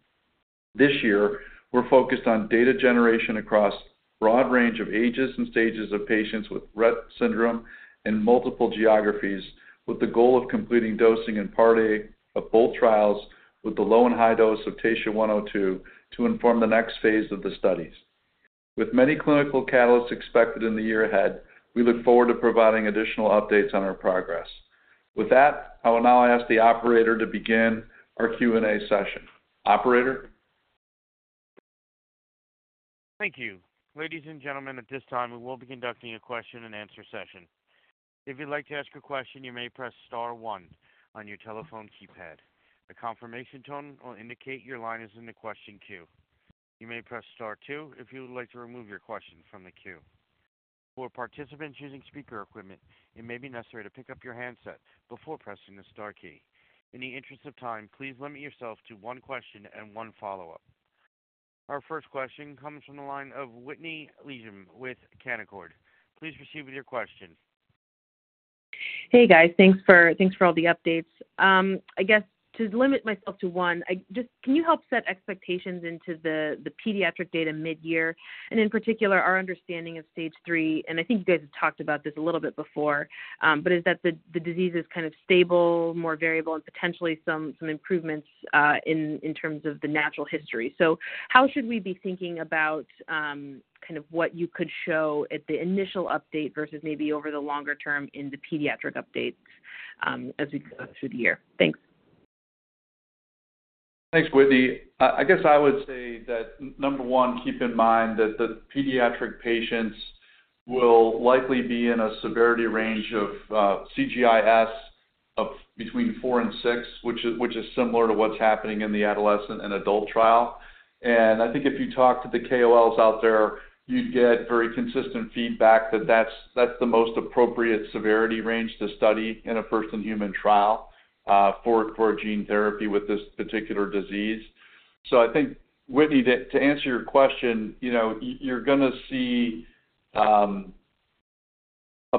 This year, we're focused on data generation across a broad range of ages and stages of patients with Rett syndrome in multiple geographies with the goal of completing dosing in Part A of both trials with the low and high dose of TSHA-102 to inform the next phase of the studies. With many clinical catalysts expected in the year ahead, we look forward to providing additional updates on our progress. With that, I will now ask the operator to begin our Q&A session. Operator? Thank you. Ladies and gentlemen, at this time, we will be conducting a question-and-answer session. If you'd like to ask a question, you may press star one on your telephone keypad. The confirmation tone will indicate your line is in the question queue. You may press star two if you would like to remove your question from the queue. For participants using speaker equipment, it may be necessary to pick up your handset before pressing the star key. In the interest of time, please limit yourself to one question and one follow-up. Our first question comes from the line of Whitney Ijem with Canaccord. Please proceed with your question. Hey, guys. Thanks for all the updates. I guess to limit myself to one, can you help set expectations into the pediatric data mid-year and, in particular, our understanding of stage three? I think you guys have talked about this a little bit before, but is that the disease is kind of stable, more variable, and potentially some improvements in terms of the natural history? So how should we be thinking about kind of what you could show at the initial update versus maybe over the longer term in the pediatric updates as we go through the year? Thanks. Thanks, Whitney. I guess I would say that, number one, keep in mind that the pediatric patients will likely be in a severity range of CGI-S between four and six, which is similar to what's happening in the adolescent and adult trial. I think if you talk to the KOLs out there, you'd get very consistent feedback that that's the most appropriate severity range to study in a first-in-human trial for a gene therapy with this particular disease. I think, Whitney, to answer your question, you're going to see a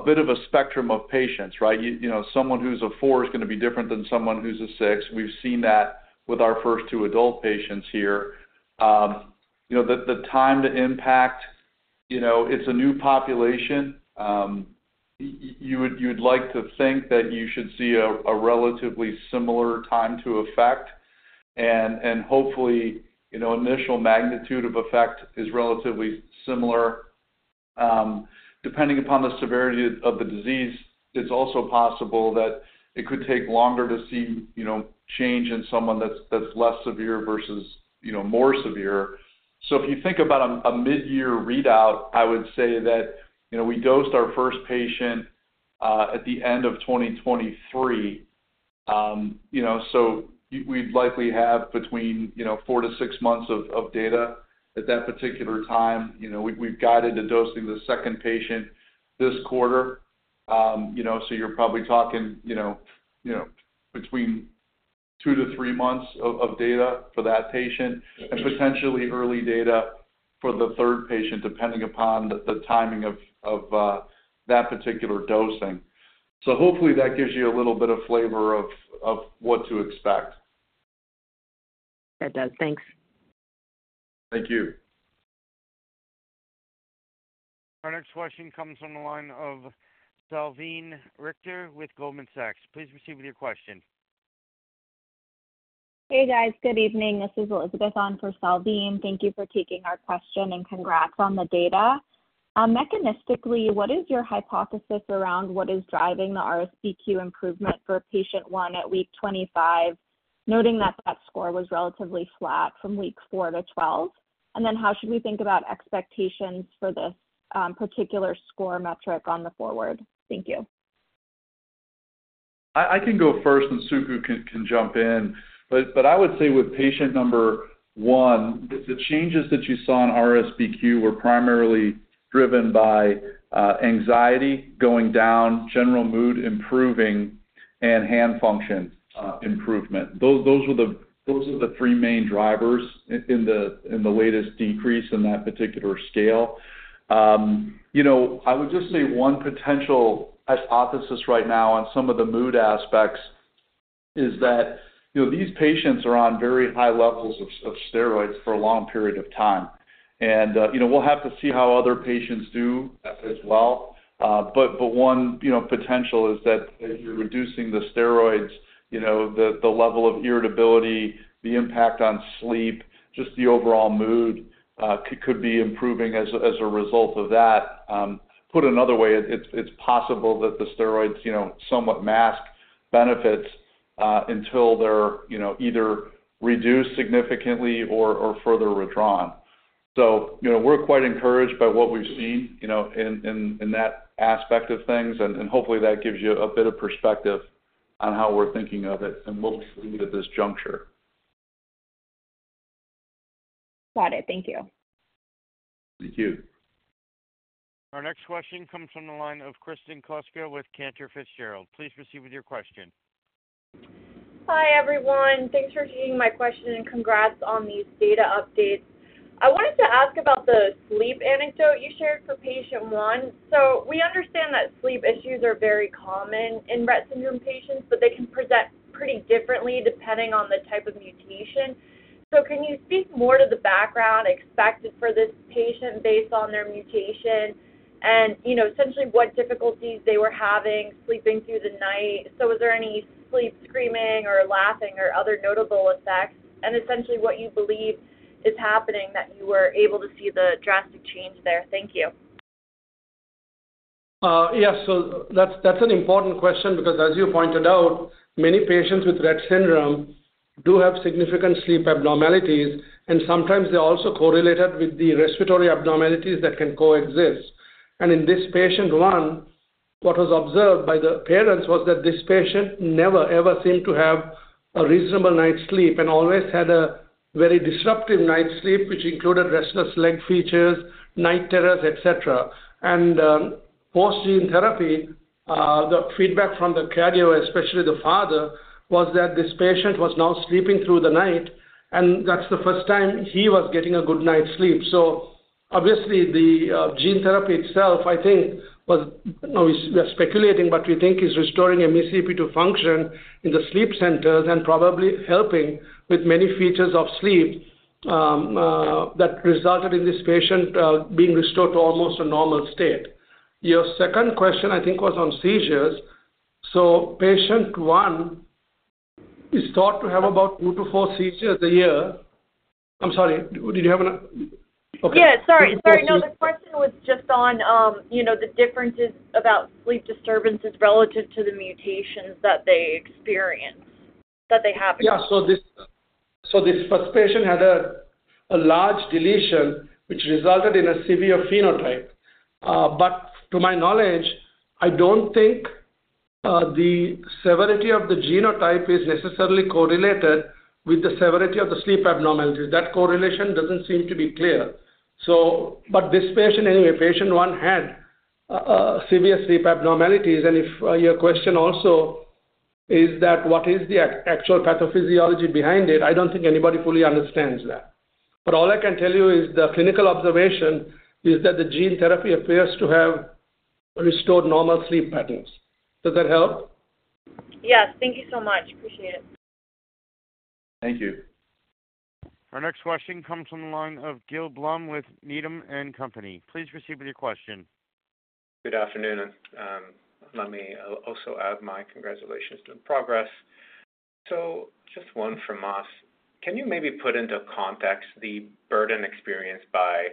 bit of a spectrum of patients, right? Someone who's a 4 is going to be different than someone who's a 6. We've seen that with our first two adult patients here. The time to impact, it's a new population. You would like to think that you should see a relatively similar time to effect. Hopefully, initial magnitude of effect is relatively similar. Depending upon the severity of the disease, it's also possible that it could take longer to see change in someone that's less severe versus more severe. If you think about a mid-year readout, I would say that we dosed our first patient at the end of 2023. We'd likely have between four-six months of data at that particular time. We've guided to dosing the second patient this quarter. You're probably talking between two-three months of data for that patient and potentially early data for the third patient, depending upon the timing of that particular dosing. Hopefully, that gives you a little bit of flavor of what to expect. That does. Thanks. Thank you. Our next question comes from the line of Salveen Richter with Goldman Sachs. Please proceed with your question. Hey, guys. Good evening. This is Elizabeth on for Salveen. Thank you for taking our question, and congrats on the data. Mechanistically, what is your hypothesis around what is driving the RSBQ improvement for patient 1 at week 25, noting that that score was relatively flat from week four to twelve? And then how should we think about expectations for this particular score metric going forward? Thank you. I can go first, and Suku can jump in. But I would say with patient number one, the changes that you saw in RSBQ were primarily driven by anxiety going down, general mood improving, and hand function improvement. Those were the three main drivers in the latest decrease in that particular scale. I would just say one potential hypothesis right now on some of the mood aspects is that these patients are on very high levels of steroids for a long period of time. And we'll have to see how other patients do as well. But one potential is that you're reducing the steroids, the level of irritability, the impact on sleep, just the overall mood could be improving as a result of that. Put another way, it's possible that the steroids somewhat mask benefits until they're either reduced significantly or further withdrawn. So we're quite encouraged by what we've seen in that aspect of things. And hopefully, that gives you a bit of perspective on how we're thinking of it. And we'll proceed at this juncture. Got it. Thank you. Thank you. Our next question comes from the line of Kristen Kluska with Cantor Fitzgerald. Please proceed with your question. Hi, everyone. Thanks for taking my question, and congrats on these data updates. I wanted to ask about the sleep anecdote you shared for patient one. We understand that sleep issues are very common in Rett syndrome patients, but they can present pretty differently depending on the type of mutation. Can you speak more to the background expected for this patient based on their mutation and essentially what difficulties they were having sleeping through the night? Was there any sleep screaming or laughing or other notable effects? Essentially, what you believe is happening that you were able to see the drastic change there? Thank you. Yeah. So that's an important question because, as you pointed out, many patients with Rett syndrome do have significant sleep abnormalities. And sometimes, they're also correlated with the respiratory abnormalities that can coexist. And in this patient one, what was observed by the parents was that this patient never, ever seemed to have a reasonable night's sleep and always had a very disruptive night's sleep, which included restless leg features, night terrors, etc. And post-gene therapy, the feedback from the caregiver, especially the father, was that this patient was now sleeping through the night. And that's the first time he was getting a good night's sleep. So obviously, the gene therapy itself, I think, was we are speculating, but we think is restoring MECP2 function in the sleep centers and probably helping with many features of sleep that resulted in this patient being restored to almost a normal state. Your second question, I think, was on seizures. So patient one is thought to have about 2-4 seizures a year. I'm sorry. Did you have an okay? Yeah. Sorry. Sorry. No, the question was just on the differences about sleep disturbances relative to the mutations that they experience, that they have in sleep. Yeah. This first patient had a large deletion, which resulted in a severe phenotype. But to my knowledge, I don't think the severity of the genotype is necessarily correlated with the severity of the sleep abnormalities. That correlation doesn't seem to be clear. This patient, anyway, patient one had severe sleep abnormalities. If your question also is that what is the actual pathophysiology behind it, I don't think anybody fully understands that. All I can tell you is the clinical observation is that the gene therapy appears to have restored normal sleep patterns. Does that help? Yes. Thank you so much. Appreciate it. Thank you. Our next question comes from the line of Gil Blum with Needham & Company. Please proceed with your question. Good afternoon. Let me also add my congratulations to the progress. So just one from us. Can you maybe put into context the burden experienced by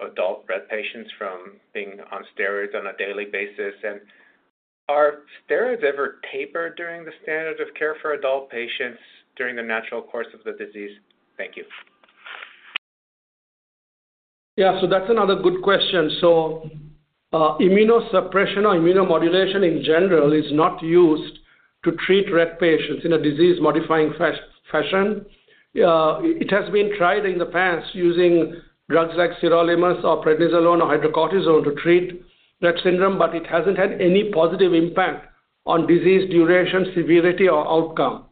adult Rett patients from being on steroids on a daily basis? And are steroids ever tapered during the standard of care for adult patients during the natural course of the disease? Thank you. Yeah. So that's another good question. So immunosuppression or immunomodulation, in general, is not used to treat Rett patients in a disease-modifying fashion. It has been tried in the past using drugs like sirolimus or prednisolone or hydrocortisone to treat Rett syndrome, but it hasn't had any positive impact on disease duration, severity, or outcome.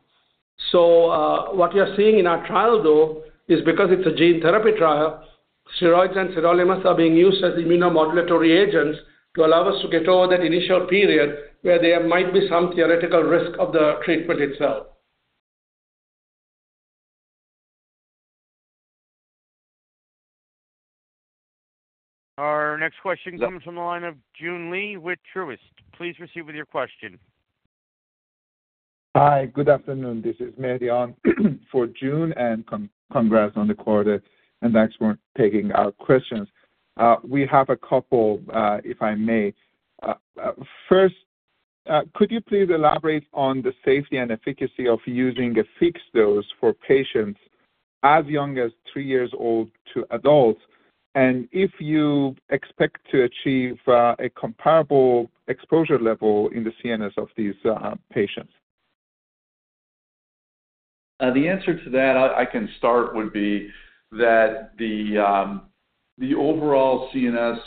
So what you're seeing in our trial, though, is because it's a gene therapy trial, steroids and sirolimus are being used as immunomodulatory agents to allow us to get over that initial period where there might be some theoretical risk of the treatment itself. Our next question comes from the line of Joon Lee with Truist. Please proceed with your question. Hi. Good afternoon. This is Mehdi on for Joon, and congrats on the quarter. Thanks for taking our questions. We have a couple, if I may. First, could you please elaborate on the safety and efficacy of using a fixed dose for patients as young as three years old to adults? And if you expect to achieve a comparable exposure level in the CNS of these patients? The answer to that, I can start, would be that the overall CNS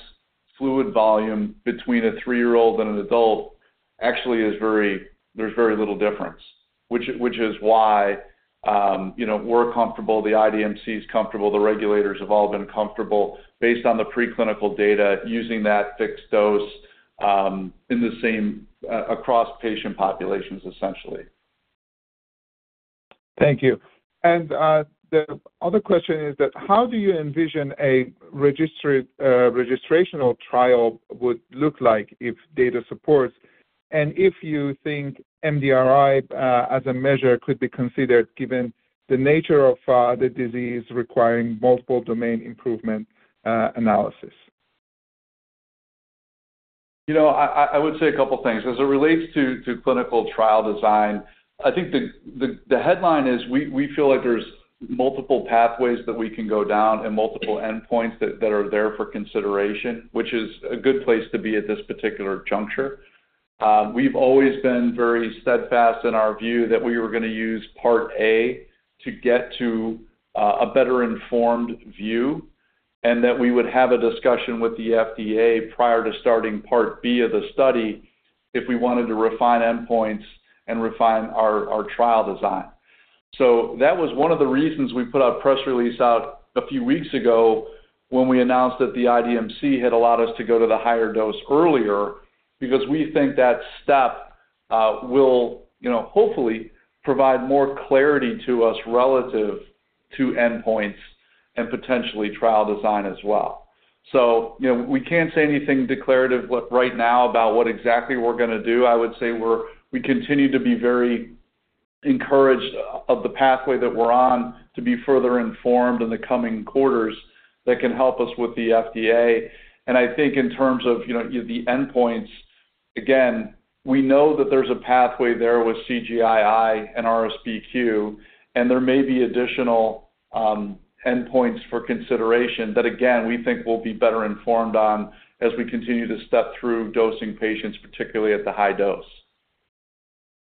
fluid volume between a 3-year-old and an adult, actually, there's very little difference, which is why we're comfortable. The IDMC is comfortable. The regulators have all been comfortable based on the preclinical data using that fixed dose across patient populations, essentially. Thank you. The other question is that how do you envision a registration or trial would look like if data supports and if you think MDRI as a measure could be considered given the nature of the disease requiring multiple domain improvement analysis? I would say a couple of things. As it relates to clinical trial design, I think the headline is we feel like there's multiple pathways that we can go down and multiple endpoints that are there for consideration, which is a good place to be at this particular juncture. We've always been very steadfast in our view that we were going to use Part A to get to a better-informed view and that we would have a discussion with the FDA prior to starting Part B of the study if we wanted to refine endpoints and refine our trial design. So that was one of the reasons we put a press release out a few weeks ago when we announced that the IDMC had allowed us to go to the higher dose earlier because we think that step will hopefully provide more clarity to us relative to endpoints and potentially trial design as well. So we can't say anything declarative right now about what exactly we're going to do. I would say we continue to be very encouraged of the pathway that we're on to be further informed in the coming quarters that can help us with the FDA. And I think in terms of the endpoints, again, we know that there's a pathway there with CGI-I and RSBQ, and there may be additional endpoints for consideration that, again, we think we'll be better informed on as we continue to step through dosing patients, particularly at the high dose.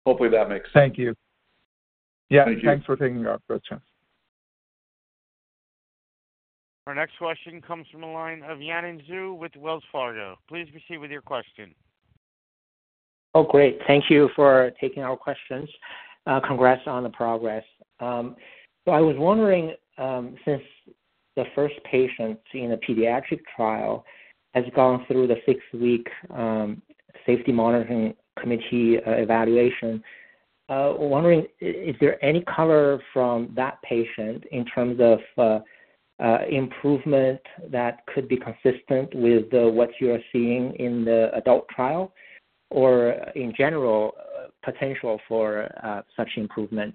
Hopefully, that makes sense. Thank you. Yeah. Thanks for taking our questions. Our next question comes from the line of Yanan Zhu with Wells Fargo. Please proceed with your question. Oh, great. Thank you for taking our questions. Congrats on the progress. So I was wondering, since the first patient in a pediatric trial has gone through the six-week safety monitoring committee evaluation, wondering, is there any color from that patient in terms of improvement that could be consistent with what you are seeing in the adult trial or, in general, potential for such improvement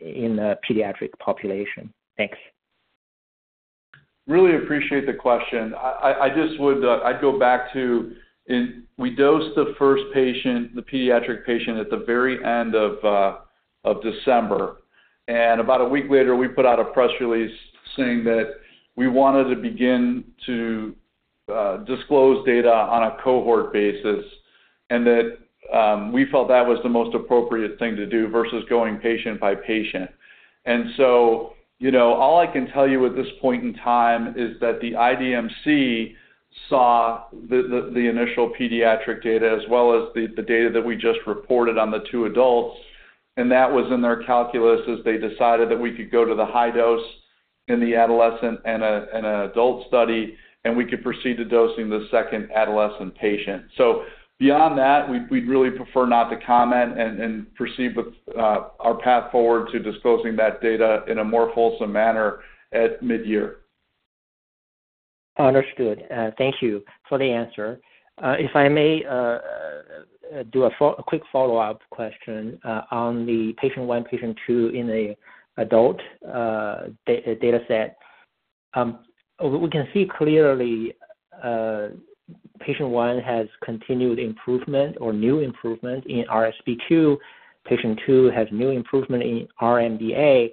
in the pediatric population? Thanks. Really appreciate the question. I'd go back to we dosed the first patient, the pediatric patient, at the very end of December. About a week later, we put out a press release saying that we wanted to begin to disclose data on a cohort basis and that we felt that was the most appropriate thing to do versus going patient by patient. So all I can tell you at this point in time is that the IDMC saw the initial pediatric data as well as the data that we just reported on the 2 adults. That was in their calculus as they decided that we could go to the high dose in the adolescent and an adult study, and we could proceed to dosing the second adolescent patient. Beyond that, we'd really prefer not to comment and proceed with our path forward to disclosing that data in a more fulsome manner at mid-year. Understood. Thank you for the answer. If I may do a quick follow-up question on the patient one, patient two in the adult dataset, we can see clearly patient one has continued improvement or new improvement in RSBQ. Patient two has new improvement in RMBA.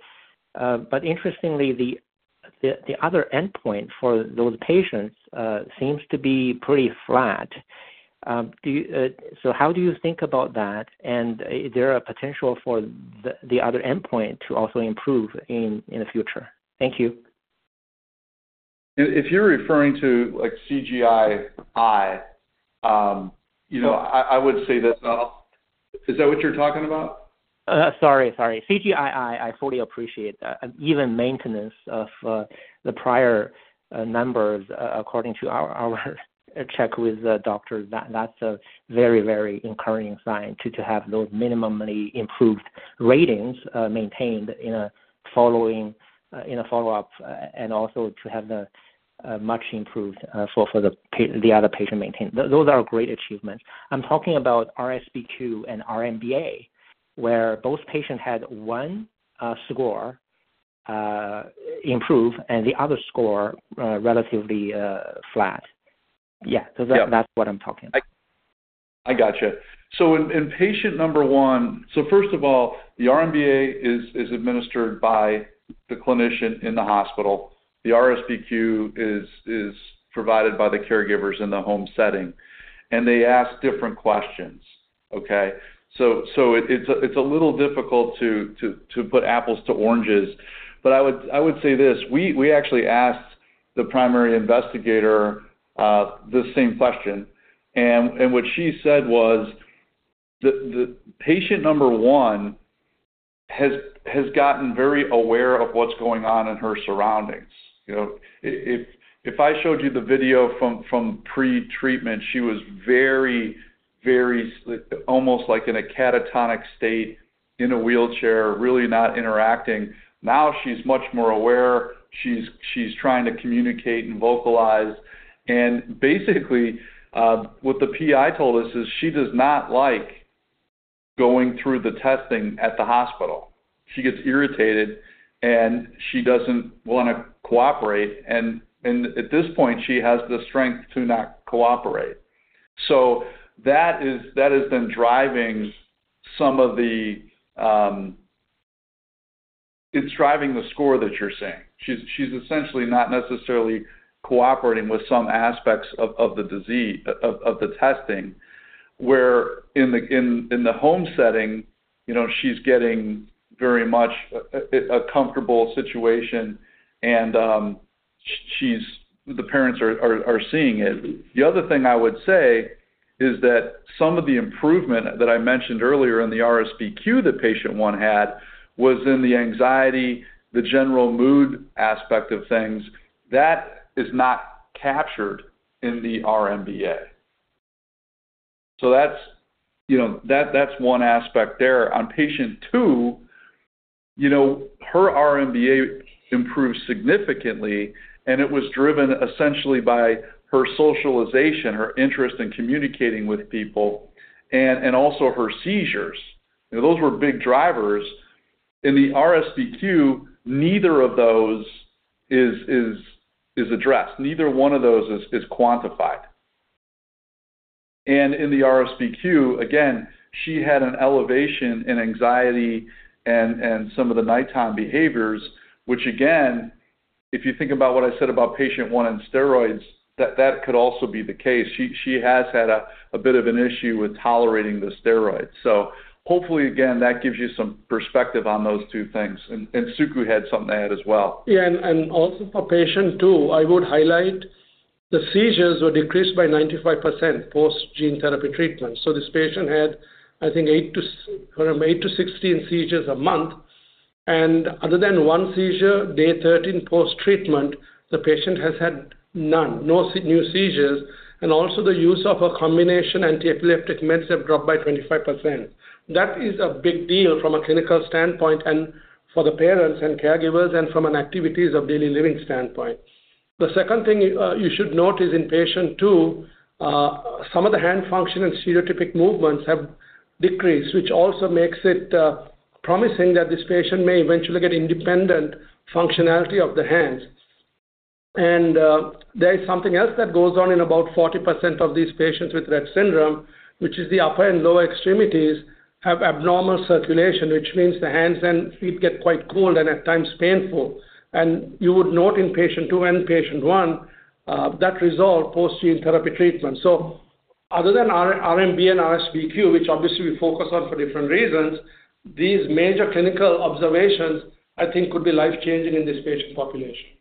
But interestingly, the other endpoint for those patients seems to be pretty flat. So how do you think about that? And is there a potential for the other endpoint to also improve in the future? Thank you. If you're referring to CGI-I, I would say that is what you're talking about? Sorry. Sorry. CGI-I, I fully appreciate even maintenance of the prior numbers. According to our check with the doctors, that's a very, very encouraging sign to have those minimally improved ratings maintained in a follow-up and also to have them much improved for the other patient maintained. Those are great achievements. I'm talking about RSBQ and RMBA where both patients had one score improve and the other score relatively flat. Yeah. So that's what I'm talking about. I gotcha. So in patient number one, so first of all, the RMBA is administered by the clinician in the hospital. The RSBQ is provided by the caregivers in the home setting. And they ask different questions, okay? So it's a little difficult to put apples to oranges. But I would say this. We actually asked the primary investigator the same question. And what she said was patient number one has gotten very aware of what's going on in her surroundings. If I showed you the video from pretreatment, she was very, very almost like in a catatonic state in a wheelchair, really not interacting. Now she's much more aware. She's trying to communicate and vocalize. And basically, what the PI told us is she does not like going through the testing at the hospital. She gets irritated, and she doesn't want to cooperate. And at this point, she has the strength to not cooperate. So that has been driving some of the; it's driving the score that you're saying. She's essentially not necessarily cooperating with some aspects of the testing where in the home setting, she's getting very much a comfortable situation, and the parents are seeing it. The other thing I would say is that some of the improvement that I mentioned earlier in the RSBQ that patient one had was in the anxiety, the general mood aspect of things. That is not captured in the RMBA. So that's one aspect there. On patient two, her RMBA improved significantly, and it was driven essentially by her socialization, her interest in communicating with people, and also her seizures. Those were big drivers. In the RSBQ, neither of those is addressed. Neither one of those is quantified. And in the RSBQ, again, she had an elevation in anxiety and some of the nighttime behaviors, which, again, if you think about what I said about patient one on steroids, that could also be the case. She has had a bit of an issue with tolerating the steroids. So hopefully, again, that gives you some perspective on those two things. And Suku had something to add as well. Yeah. And also for patient two, I would highlight the seizures were decreased by 95% post-gene therapy treatment. So this patient had, I think, 8-16 seizures a month. And other than one seizure day 13 post-treatment, the patient has had none, no new seizures. And also, the use of her combination antiepileptic meds have dropped by 25%. That is a big deal from a clinical standpoint and for the parents and caregivers and from an activities of daily living standpoint. The second thing you should note is in patient two, some of the hand function and stereotypic movements have decreased, which also makes it promising that this patient may eventually get independent functionality of the hands. And there is something else that goes on in about 40% of these patients with Rett syndrome, which is the upper and lower extremities have abnormal circulation, which means the hands and feet get quite cold and at times painful. And you would note in patient two and patient one that resolved post-gene therapy treatment. So other than RMBA and RSBQ, which obviously we focus on for different reasons, these major clinical observations, I think, could be life-changing in this patient population.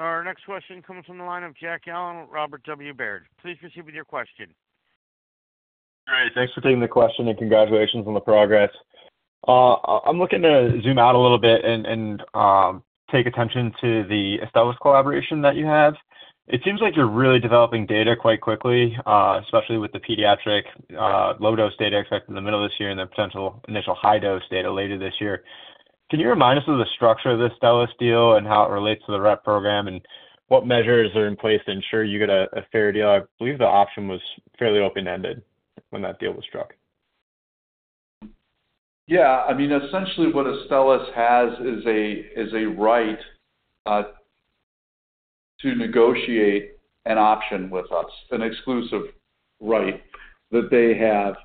Our next question comes from the line of Jack Allen, Robert W. Baird. Please proceed with your question. Great. Thanks for taking the question, and congratulations on the progress. I'm looking to zoom out a little bit and take attention to the Astellas collaboration that you have. It seems like you're really developing data quite quickly, especially with the pediatric low-dose data expected in the middle of this year and the potential initial high-dose data later this year. Can you remind us of the structure of the Astellas deal and how it relates to the Rett program and what measures are in place to ensure you get a fair deal? I believe the option was fairly open-ended when that deal was struck. Yeah. I mean, essentially, what Astellas has is a right to negotiate an option with us, an exclusive right that they have.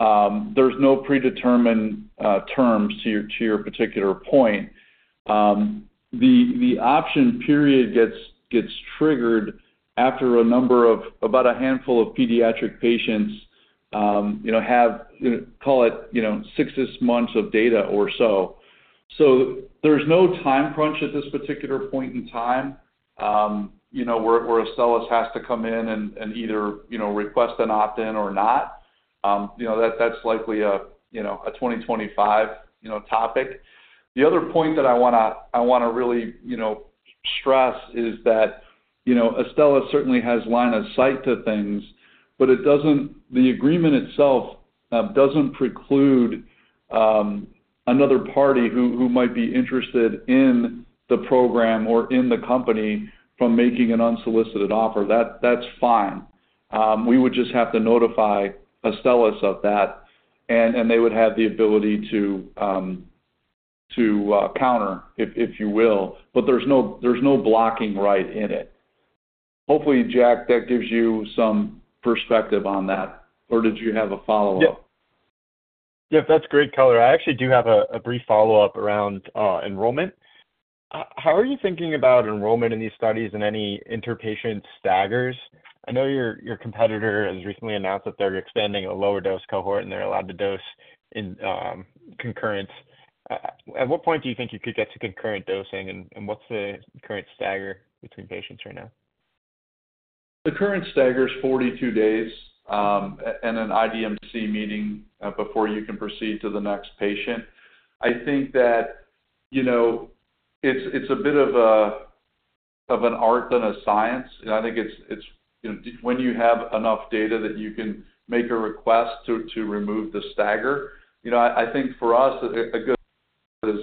There's no predetermined terms to your particular point. The option period gets triggered after a number of about a handful of pediatric patients have, call it, six months of data or so. So there's no time crunch at this particular point in time where Astellas has to come in and either request an opt-in or not. That's likely a 2025 topic. The other point that I want to really stress is that Astellas certainly has line of sight to things, but the agreement itself doesn't preclude another party who might be interested in the program or in the company from making an unsolicited offer. That's fine. We would just have to notify Astellas of that, and they would have the ability to counter, if you will. But there's no blocking right in it. Hopefully, Jack, that gives you some perspective on that. Or did you have a follow-up? Yeah. Yeah. That's great color. I actually do have a brief follow-up around enrollment. How are you thinking about enrollment in these studies and any interpatient staggers? I know your competitor has recently announced that they're expanding a lower-dose cohort, and they're allowed to dose concurrently. At what point do you think you could get to concurrent dosing, and what's the current stagger between patients right now? The current stagger is 42 days and an IDMC meeting before you can proceed to the next patient. I think that it's more of an art than a science. I think it's when you have enough data that you can make a request to remove the stagger. I think for us, a good is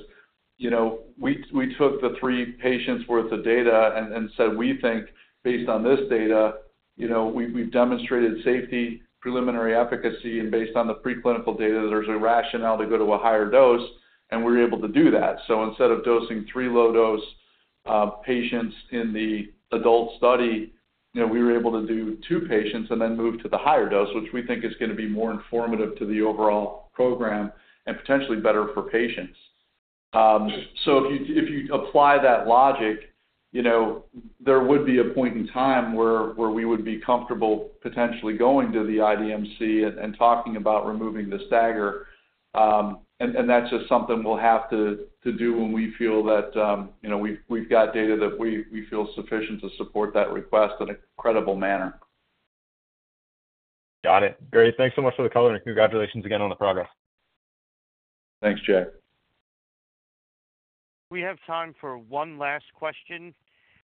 we took the three patients' worth of data and said, "We think based on this data, we've demonstrated safety, preliminary efficacy, and based on the preclinical data, there's a rationale to go to a higher dose." We were able to do that. So instead of dosing three low-dose patients in the adult study, we were able to do two patients and then move to the higher dose, which we think is going to be more informative to the overall program and potentially better for patients. So if you apply that logic, there would be a point in time where we would be comfortable potentially going to the IDMC and talking about removing the stagger. And that's just something we'll have to do when we feel that we've got data that we feel sufficient to support that request in a credible manner. Got it. Great. Thanks so much for the color, and congratulations again on the progress. Thanks, Jack. We have time for one last question.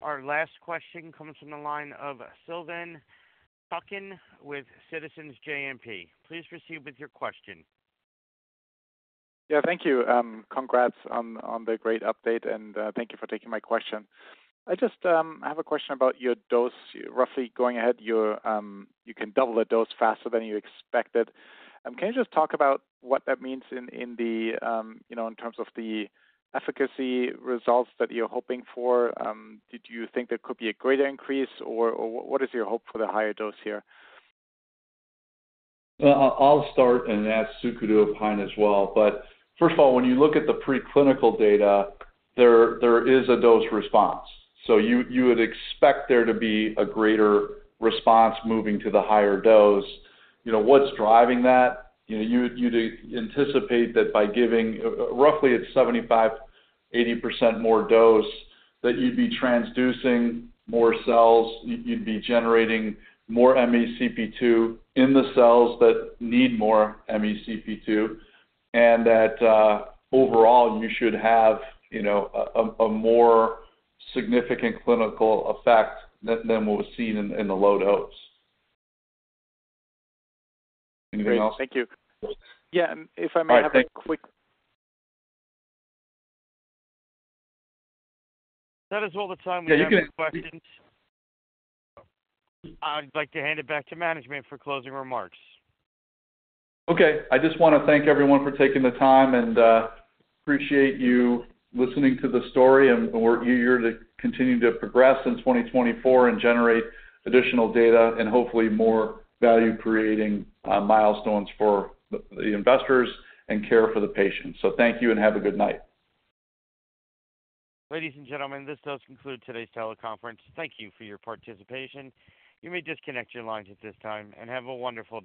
Our last question comes from the line of Silvan Tuerkcan with Citizens JMP. Please proceed with your question. Yeah. Thank you. Congrats on the great update, and thank you for taking my question. I just have a question about your dose. Roughly going ahead, you can double the dose faster than you expected. Can you just talk about what that means in terms of the efficacy results that you're hoping for? Did you think there could be a greater increase, or what is your hope for the higher dose here? I'll start and ask Suku to opine as well. But first of all, when you look at the preclinical data, there is a dose response. So you would expect there to be a greater response moving to the higher dose. What's driving that? You'd anticipate that by giving roughly, it's 75%-80% more dose that you'd be transducing more cells. You'd be generating more MeCP2 in the cells that need more MeCP2 and that overall, you should have a more significant clinical effect than what was seen in the low dose. Anything else? Great. Thank you. Yeah. And if I may have a quick. That is all the time we have for questions. I'd like to hand it back to management for closing remarks. Okay. I just want to thank everyone for taking the time and appreciate you listening to the story. We're eager to continue to progress in 2024 and generate additional data and hopefully more value-creating milestones for the investors and care for the patients. Thank you and have a good night. Ladies and gentlemen, this does conclude today's teleconference. Thank you for your participation. You may disconnect your lines at this time and have a wonderful day.